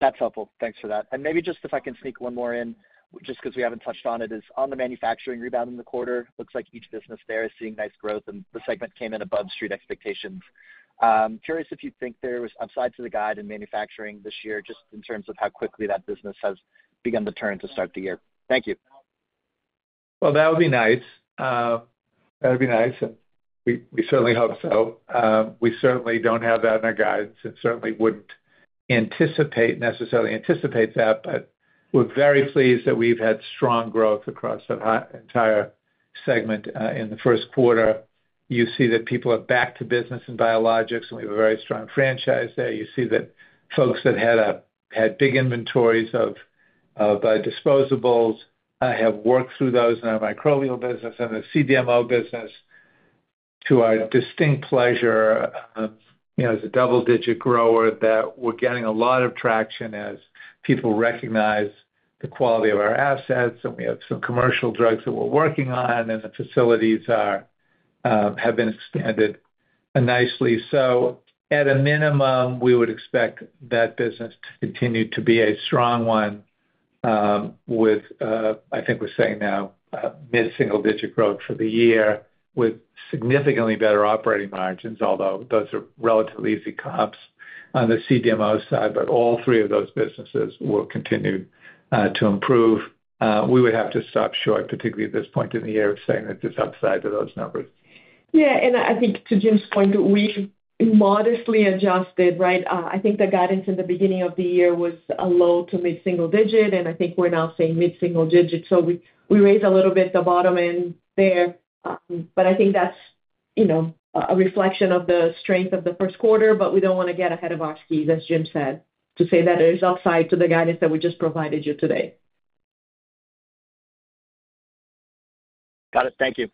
That's helpful. Thanks for that. And maybe just if I can sneak one more in, just because we haven't touched on it, is on the Manufacturing rebound in the quarter, looks like each business there is seeing nice growth, and the segment came in above Street expectations. Curious if you think there was upside to the guide in Manufacturing this year just in terms of how quickly that business has begun the turn to start the year. Thank you. Well, that would be nice. That would be nice. We certainly hope so. We certainly don't have that in our guides and certainly wouldn't necessarily anticipate that, but we're very pleased that we've had strong growth across the entire segment in the first quarter. You see that people are back to business in biologics, and we have a very strong franchise there. You see that folks that had big inventories of disposables have worked through those in our microbial business and the CDMO business. To our distinct pleasure, it's a double-digit grower that we're getting a lot of traction as people recognize the quality of our assets. We have some commercial drugs that we're working on, and the facilities have been expanded nicely. So at a minimum, we would expect that business to continue to be a strong one with, I think we're saying now, mid-single-digit growth for the year with significantly better operating margins, although those are relatively easy comps on the CDMO side. But all three of those businesses will continue to improve. We would have to stop short, particularly at this point in the year, saying that there's upside to those numbers. Yeah. And I think to Jim's point, we've modestly adjusted, right? I think the guidance in the beginning of the year was low- to mid-single-digit, and I think we're now saying mid-single-digit. So we raised a little bit the bottom end there. But I think that's a reflection of the strength of the first quarter, but we don't want to get ahead of our skis, as Jim said, to say that there's upside to the guidance that we just provided you today. Got it. Thank you.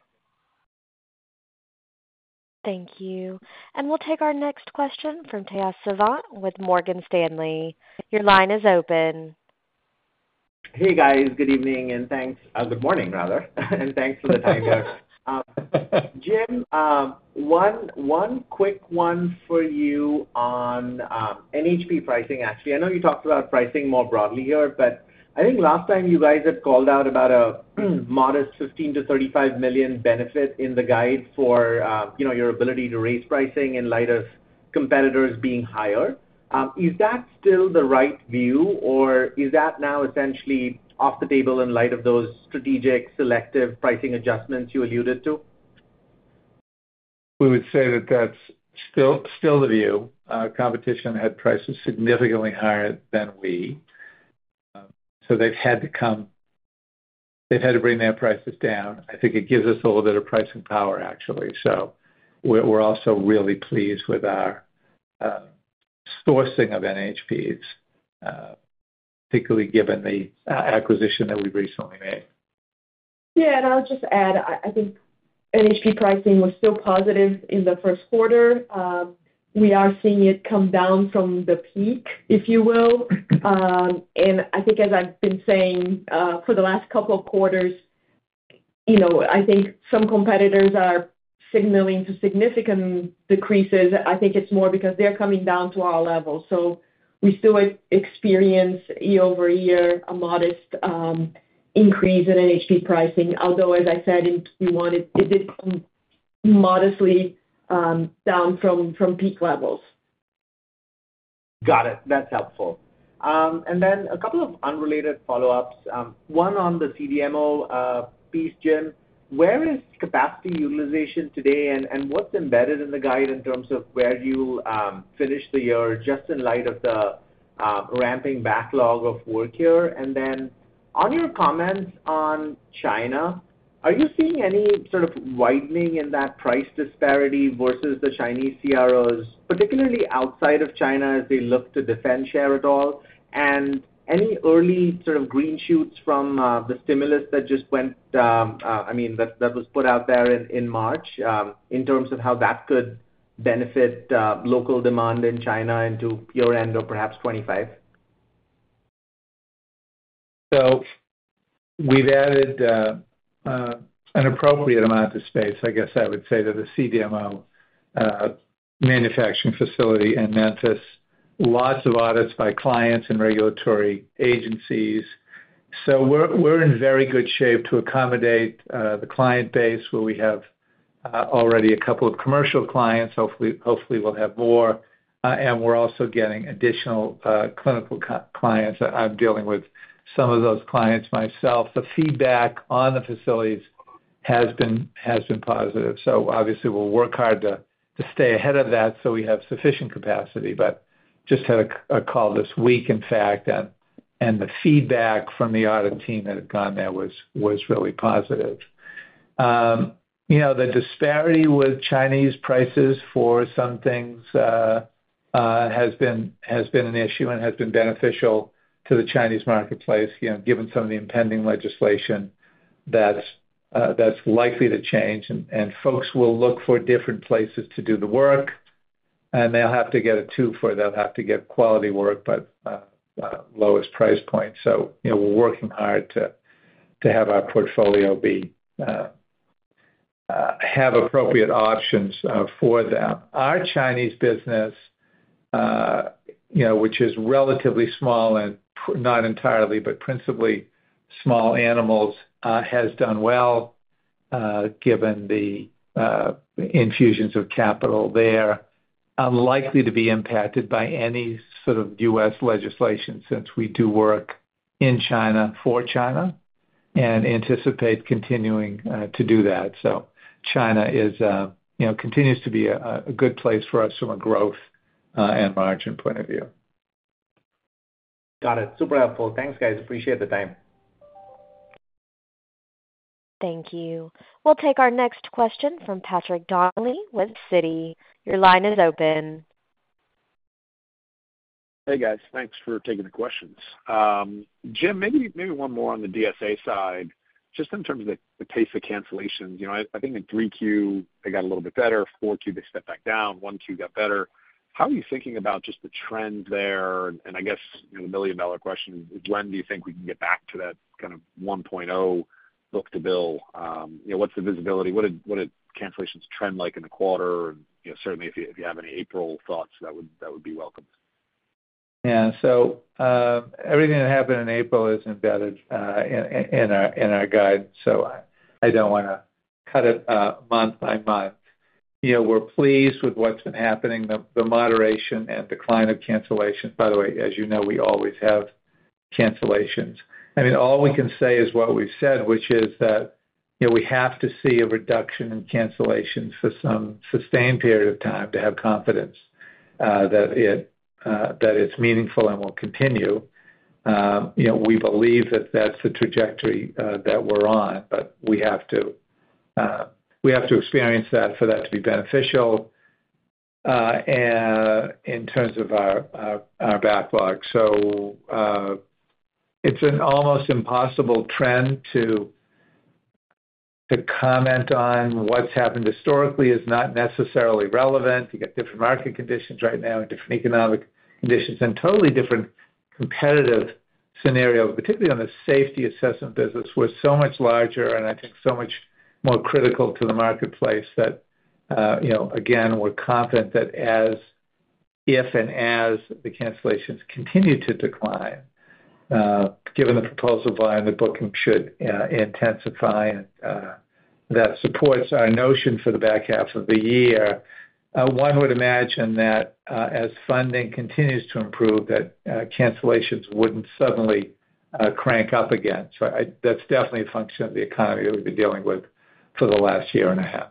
Thank you. We'll take our next question from Tejas Savant with Morgan Stanley. Your line is open. Hey, guys. Good evening. And thanks, good morning, rather. And thanks for the time here. Jim, one quick one for you on NHP pricing, actually. I know you talked about pricing more broadly here, but I think last time you guys had called out about a modest $15 million-$35 million benefit in the guide for your ability to raise pricing in light of competitors being higher. Is that still the right view, or is that now essentially off the table in light of those strategic selective pricing adjustments you alluded to? We would say that that's still the view. Competition had prices significantly higher than we. So they've had to bring their prices down. I think it gives us a little bit of pricing power, actually. So we're also really pleased with our sourcing of NHPs, particularly given the acquisition that we've recently made. Yeah. And I'll just add, I think NHP pricing was still positive in the first quarter. We are seeing it come down from the peak, if you will. And I think, as I've been saying for the last couple of quarters, I think some competitors are signaling to significant decreases. I think it's more because they're coming down to our level. So we still experience, year-over-year, a modest increase in NHP pricing, although, as I said, it did come modestly down from peak levels. Got it. That's helpful. And then a couple of unrelated follow-ups. One on the CDMO piece, Jim. Where is capacity utilization today, and what's embedded in the guide in terms of where you'll finish the year just in light of the ramping backlog of work here? And then on your comments on China, are you seeing any sort of widening in that price disparity versus the Chinese CROs, particularly outside of China as they look to defend share at all? And any early sort of green shoots from the stimulus that just went, I mean, that was put out there in March in terms of how that could benefit local demand in China into year-end or perhaps 2025? So we've added an appropriate amount of space, I guess I would say, to the CDMO Manufacturing facility in Memphis. Lots of audits by clients and regulatory agencies. So we're in very good shape to accommodate the client base where we have already a couple of commercial clients. Hopefully, we'll have more. And we're also getting additional clinical clients. I'm dealing with some of those clients myself. The feedback on the facilities has been positive. So obviously, we'll work hard to stay ahead of that so we have sufficient capacity. But just had a call this week, in fact, and the feedback from the audit team that had gone there was really positive. The disparity with Chinese prices for some things has been an issue and has been beneficial to the Chinese marketplace given some of the impending legislation that's likely to change. Folks will look for different places to do the work, and they'll have to get a twofer. They'll have to get quality work but lowest price point. So we're working hard to have our portfolio have appropriate options for them. Our Chinese business, which is relatively small and not entirely, but principally small animals, has done well given the infusions of capital there, unlikely to be impacted by any sort of U.S. legislation since we do work in China for China and anticipate continuing to do that. So China continues to be a good place for us from a growth and margin point of view. Got it. Super helpful. Thanks, guys. Appreciate the time. Thank you. We'll take our next question from Patrick Donnelly with Citi. Your line is open. Hey, guys. Thanks for taking the questions. Jim, maybe one more on the DSA side, just in terms of the pace of cancellations. I think in 3Q, they got a little bit better. 4Q, they stepped back down. 1Q got better. How are you thinking about just the trend there? And I guess the million-dollar question is, when do you think we can get back to that kind of 1.0 book-to-bill? What's the visibility? What did cancellations trend like in the quarter? And certainly, if you have any April thoughts, that would be welcome. Yeah. So everything that happened in April is embedded in our guide, so I don't want to cut it month by month. We're pleased with what's been happening, the moderation and decline of cancellations. By the way, as you know, we always have cancellations. I mean, all we can say is what we've said, which is that we have to see a reduction in cancellations for some sustained period of time to have confidence that it's meaningful and will continue. We believe that that's the trajectory that we're on, but we have to experience that for that to be beneficial in terms of our backlog. So it's an almost impossible trend to comment on. What's happened historically is not necessarily relevant. You got different market conditions right now and different economic conditions and totally different competitive scenarios, particularly on the Safety Assessment business, were so much larger and I think so much more critical to the marketplace that, again, we're confident that if and as the cancellations continue to decline, given the proposal volume, the booking should intensify. And that supports our notion for the back half of the year. One would imagine that as funding continues to improve, that cancellations wouldn't suddenly crank up again. So that's definitely a function of the economy that we've been dealing with for the last year and a half.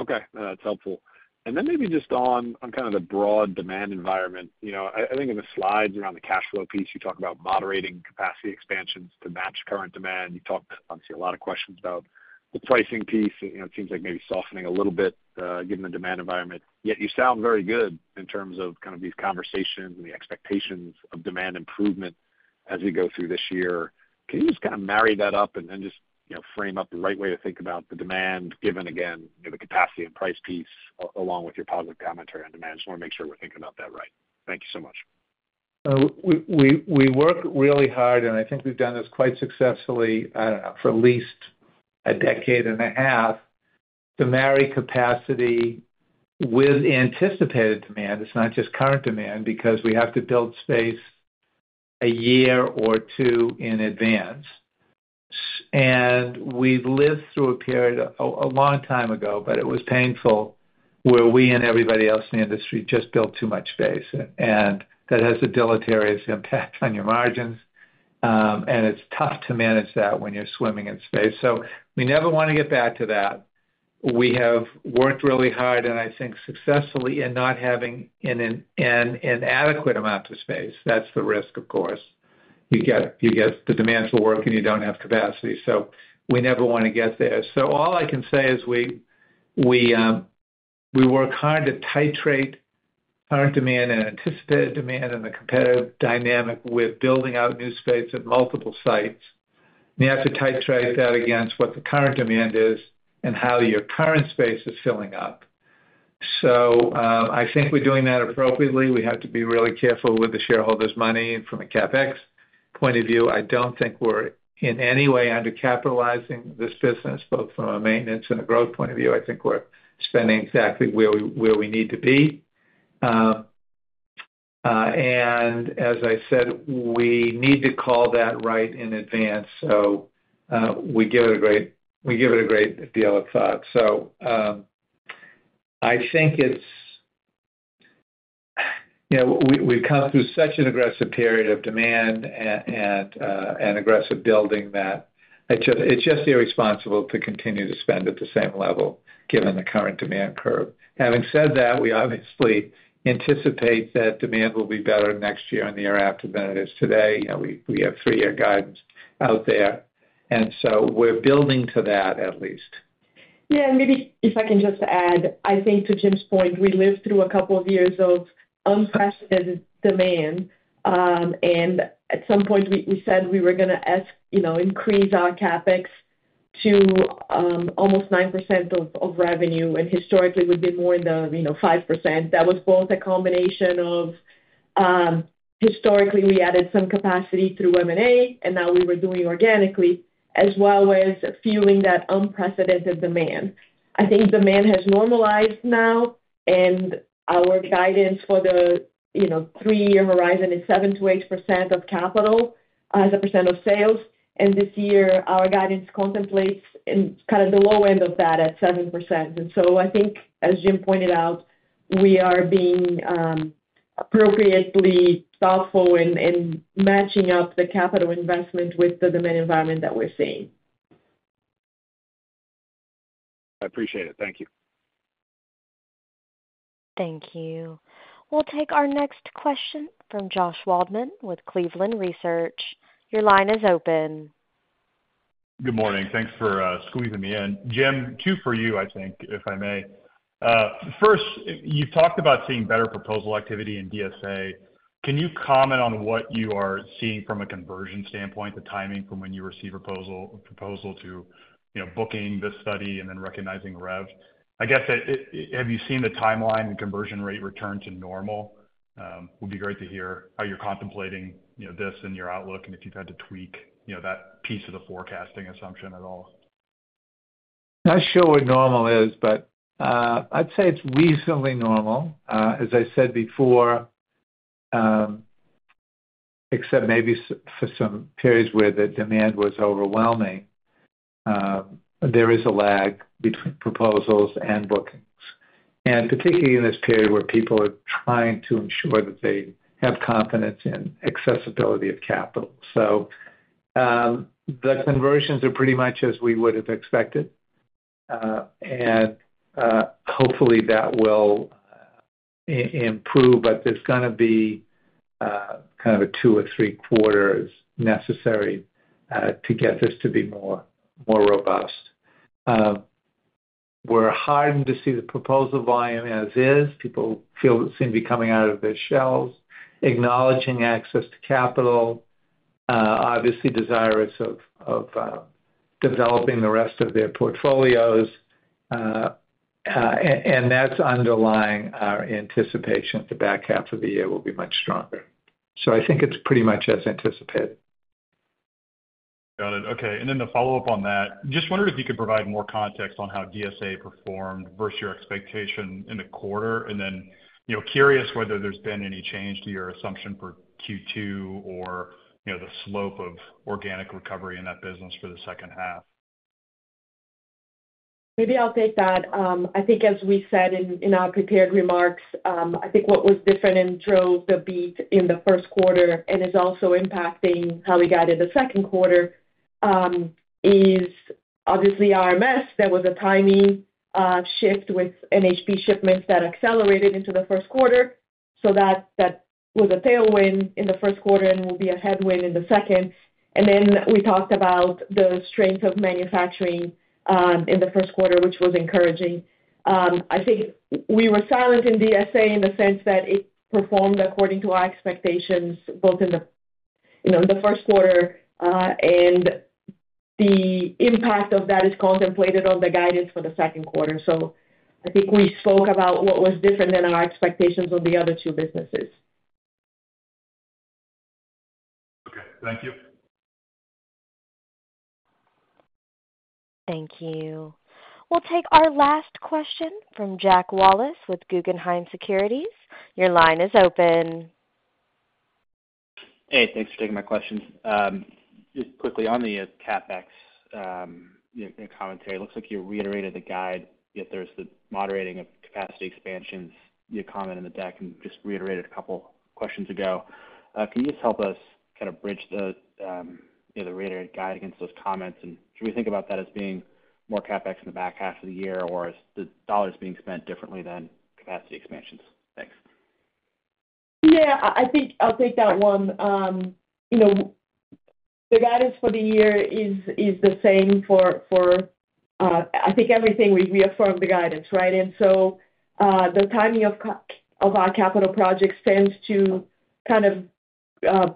Okay. That's helpful. And then maybe just on kind of the broad demand environment, I think in the slides around the cash flow piece, you talk about moderating capacity expansions to match current demand. You talked obviously a lot of questions about the pricing piece. It seems like maybe softening a little bit given the demand environment. Yet you sound very good in terms of kind of these conversations and the expectations of demand improvement as we go through this year. Can you just kind of marry that up and just frame up the right way to think about the demand given, again, the capacity and price piece along with your positive commentary on demand? I just want to make sure we're thinking about that right. Thank you so much. We work really hard, and I think we've done this quite successfully, I don't know, for at least a decade and a half to marry capacity with anticipated demand. It's not just current demand because we have to build space a year or two in advance. We've lived through a period a long time ago, but it was painful where we and everybody else in the industry just built too much space. That has a deleterious impact on your margins, and it's tough to manage that when you're swimming in space. We never want to get back to that. We have worked really hard, and I think successfully, in not having an adequate amount of space. That's the risk, of course. You get the demands for work, and you don't have capacity. We never want to get there. So all I can say is we work hard to titrate current demand and anticipated demand and the competitive dynamic with building out new space at multiple sites. You have to titrate that against what the current demand is and how your current space is filling up. So I think we're doing that appropriately. We have to be really careful with the shareholders' money. From a CapEx point of view, I don't think we're in any way undercapitalizing this business, both from a maintenance and a growth point of view. I think we're spending exactly where we need to be. As I said, we need to call that right in advance. So we give it a great deal of thought. I think it's we've come through such an aggressive period of demand and aggressive building that it's just irresponsible to continue to spend at the same level given the current demand curve. Having said that, we obviously anticipate that demand will be better next year and the year after than it is today. We have three-year guidance out there. So we're building to that, at least. Yeah. And maybe if I can just add, I think to Jim's point, we lived through a couple of years of unprecedented demand. And at some point, we said we were going to increase our CapEx to almost 9% of revenue and historically would be more in the 5%. That was both a combination of historically, we added some capacity through M&A, and now we were doing organically, as well as fueling that unprecedented demand. I think demand has normalized now, and our guidance for the three-year horizon is 7%-8% of capital as a percent of sales. And this year, our guidance contemplates kind of the low end of that at 7%. And so I think, as Jim pointed out, we are being appropriately thoughtful in matching up the capital investment with the demand environment that we're seeing. I appreciate it. Thank you. Thank you. We'll take our next question from Josh Waldman with Cleveland Research. Your line is open. Good morning. Thanks for squeezing me in. Jim, two for you, I think, if I may. First, you've talked about seeing better proposal activity in DSA. Can you comment on what you are seeing from a conversion standpoint, the timing from when you receive a proposal to booking this study and then recognizing rev? I guess, have you seen the timeline and conversion rate return to normal? It would be great to hear how you're contemplating this in your outlook and if you've had to tweak that piece of the forecasting assumption at all. Not sure what normal is, but I'd say it's reasonably normal. As I said before, except maybe for some periods where the demand was overwhelming, there is a lag between proposals and bookings, and particularly in this period where people are trying to ensure that they have confidence in accessibility of capital. So the conversions are pretty much as we would have expected. And hopefully, that will improve, but there's going to be kind of a 2 or 3 quarters necessary to get this to be more robust. We're heartened to see the proposal volume as is. People seem to be coming out of their shells, acknowledging access to capital, obviously desirous of developing the rest of their portfolios. And that's underlying our anticipation that the back half of the year will be much stronger. So I think it's pretty much as anticipated. Got it. Okay. And then to follow up on that, just wondering if you could provide more context on how DSA performed versus your expectation in the quarter? And then curious whether there's been any change to your assumption for Q2 or the slope of organic recovery in that business for the second half? Maybe I'll take that. I think, as we said in our prepared remarks, I think what was different and drove the beat in the first quarter and is also impacting how we guided the second quarter is obviously RMS. There was a timing shift with NHP shipments that accelerated into the first quarter. So that was a tailwind in the first quarter and will be a headwind in the second. And then we talked about the strength of Manufacturing in the first quarter, which was encouraging. I think we were silent in DSA in the sense that it performed according to our expectations, both in the first quarter, and the impact of that is contemplated on the guidance for the second quarter. So I think we spoke about what was different than our expectations on the other two businesses. Okay. Thank you. Thank you. We'll take our last question from Jack Wallace with Guggenheim Securities. Your line is open. Hey. Thanks for taking my questions. Just quickly on the CapEx commentary, it looks like you reiterated the guide, yet there's the moderating of capacity expansions. You commented in the deck and just reiterated a couple of questions ago. Can you just help us kind of bridge the reiterated guide against those comments? And should we think about that as being more CapEx in the back half of the year or as the dollars being spent differently than capacity expansions? Thanks. Yeah. I'll take that one. The guidance for the year is the same for, I think, everything. We reaffirmed the guidance, right? And so the timing of our capital projects tends to kind of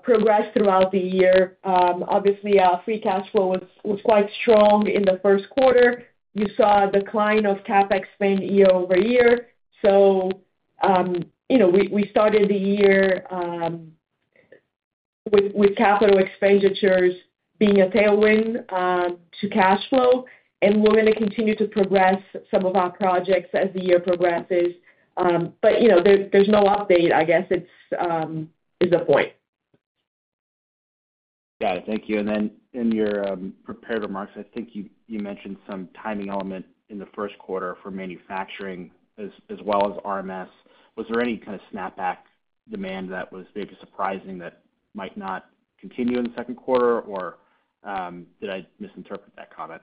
progress throughout the year. Obviously, our free cash flow was quite strong in the first quarter. You saw a decline of CapEx spend year-over-year. So we started the year with capital expenditures being a tailwind to cash flow, and we're going to continue to progress some of our projects as the year progresses. But there's no update, I guess is the point. Got it. Thank you. And then in your prepared remarks, I think you mentioned some timing element in the first quarter for Manufacturing as well as RMS. Was there any kind of snapback demand that was maybe surprising that might not continue in the second quarter, or did I misinterpret that comment?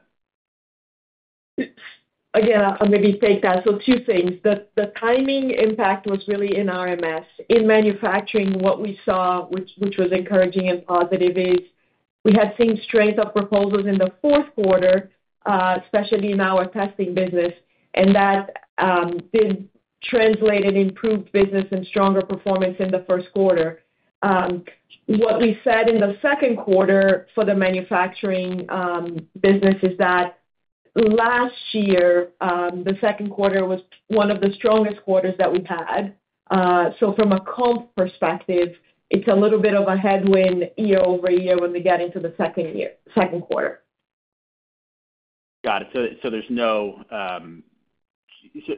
Again, I'll maybe take that. So two things. The timing impact was really in RMS. In Manufacturing, what we saw, which was encouraging and positive, is we had seen strength of proposals in the fourth quarter, especially in our testing business, and that did translate and improve business and stronger performance in the first quarter. What we said in the second quarter for the Manufacturing business is that last year, the second quarter was one of the strongest quarters that we've had. So from a comp perspective, it's a little bit of a headwind year-over-year when we get into the second quarter. Got it.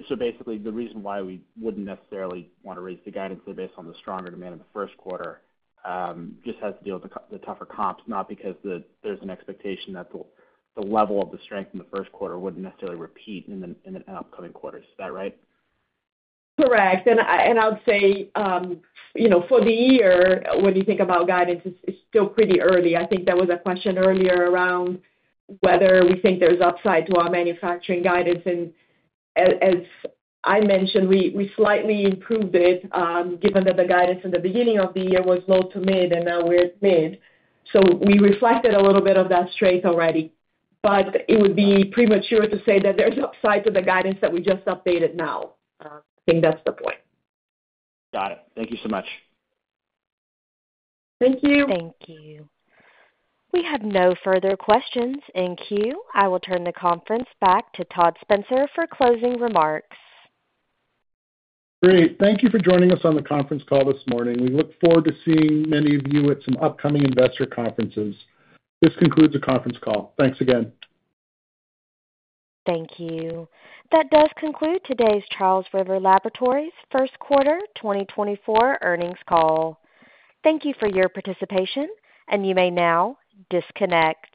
So basically, the reason why we wouldn't necessarily want to raise the guidance based on the stronger demand in the first quarter just has to deal with the tougher comps, not because there's an expectation that the level of the strength in the first quarter wouldn't necessarily repeat in an upcoming quarter. Is that right? Correct. I would say for the year, when you think about guidance, it's still pretty early. I think that was a question earlier around whether we think there's upside to our Manufacturing guidance. As I mentioned, we slightly improved it given that the guidance in the beginning of the year was low to mid, and now we're at mid. We reflected a little bit of that strength already. It would be premature to say that there's upside to the guidance that we just updated now. I think that's the point. Got it. Thank you so much. Thank you. Thank you. We have no further questions in queue. I will turn the conference back to Todd Spencer for closing remarks. Great. Thank you for joining us on the conference call this morning. We look forward to seeing many of you at some upcoming investor conferences. This concludes the conference call. Thanks again. Thank you. That does conclude today's Charles River Laboratories first quarter 2024 earnings call. Thank you for your participation, and you may now disconnect.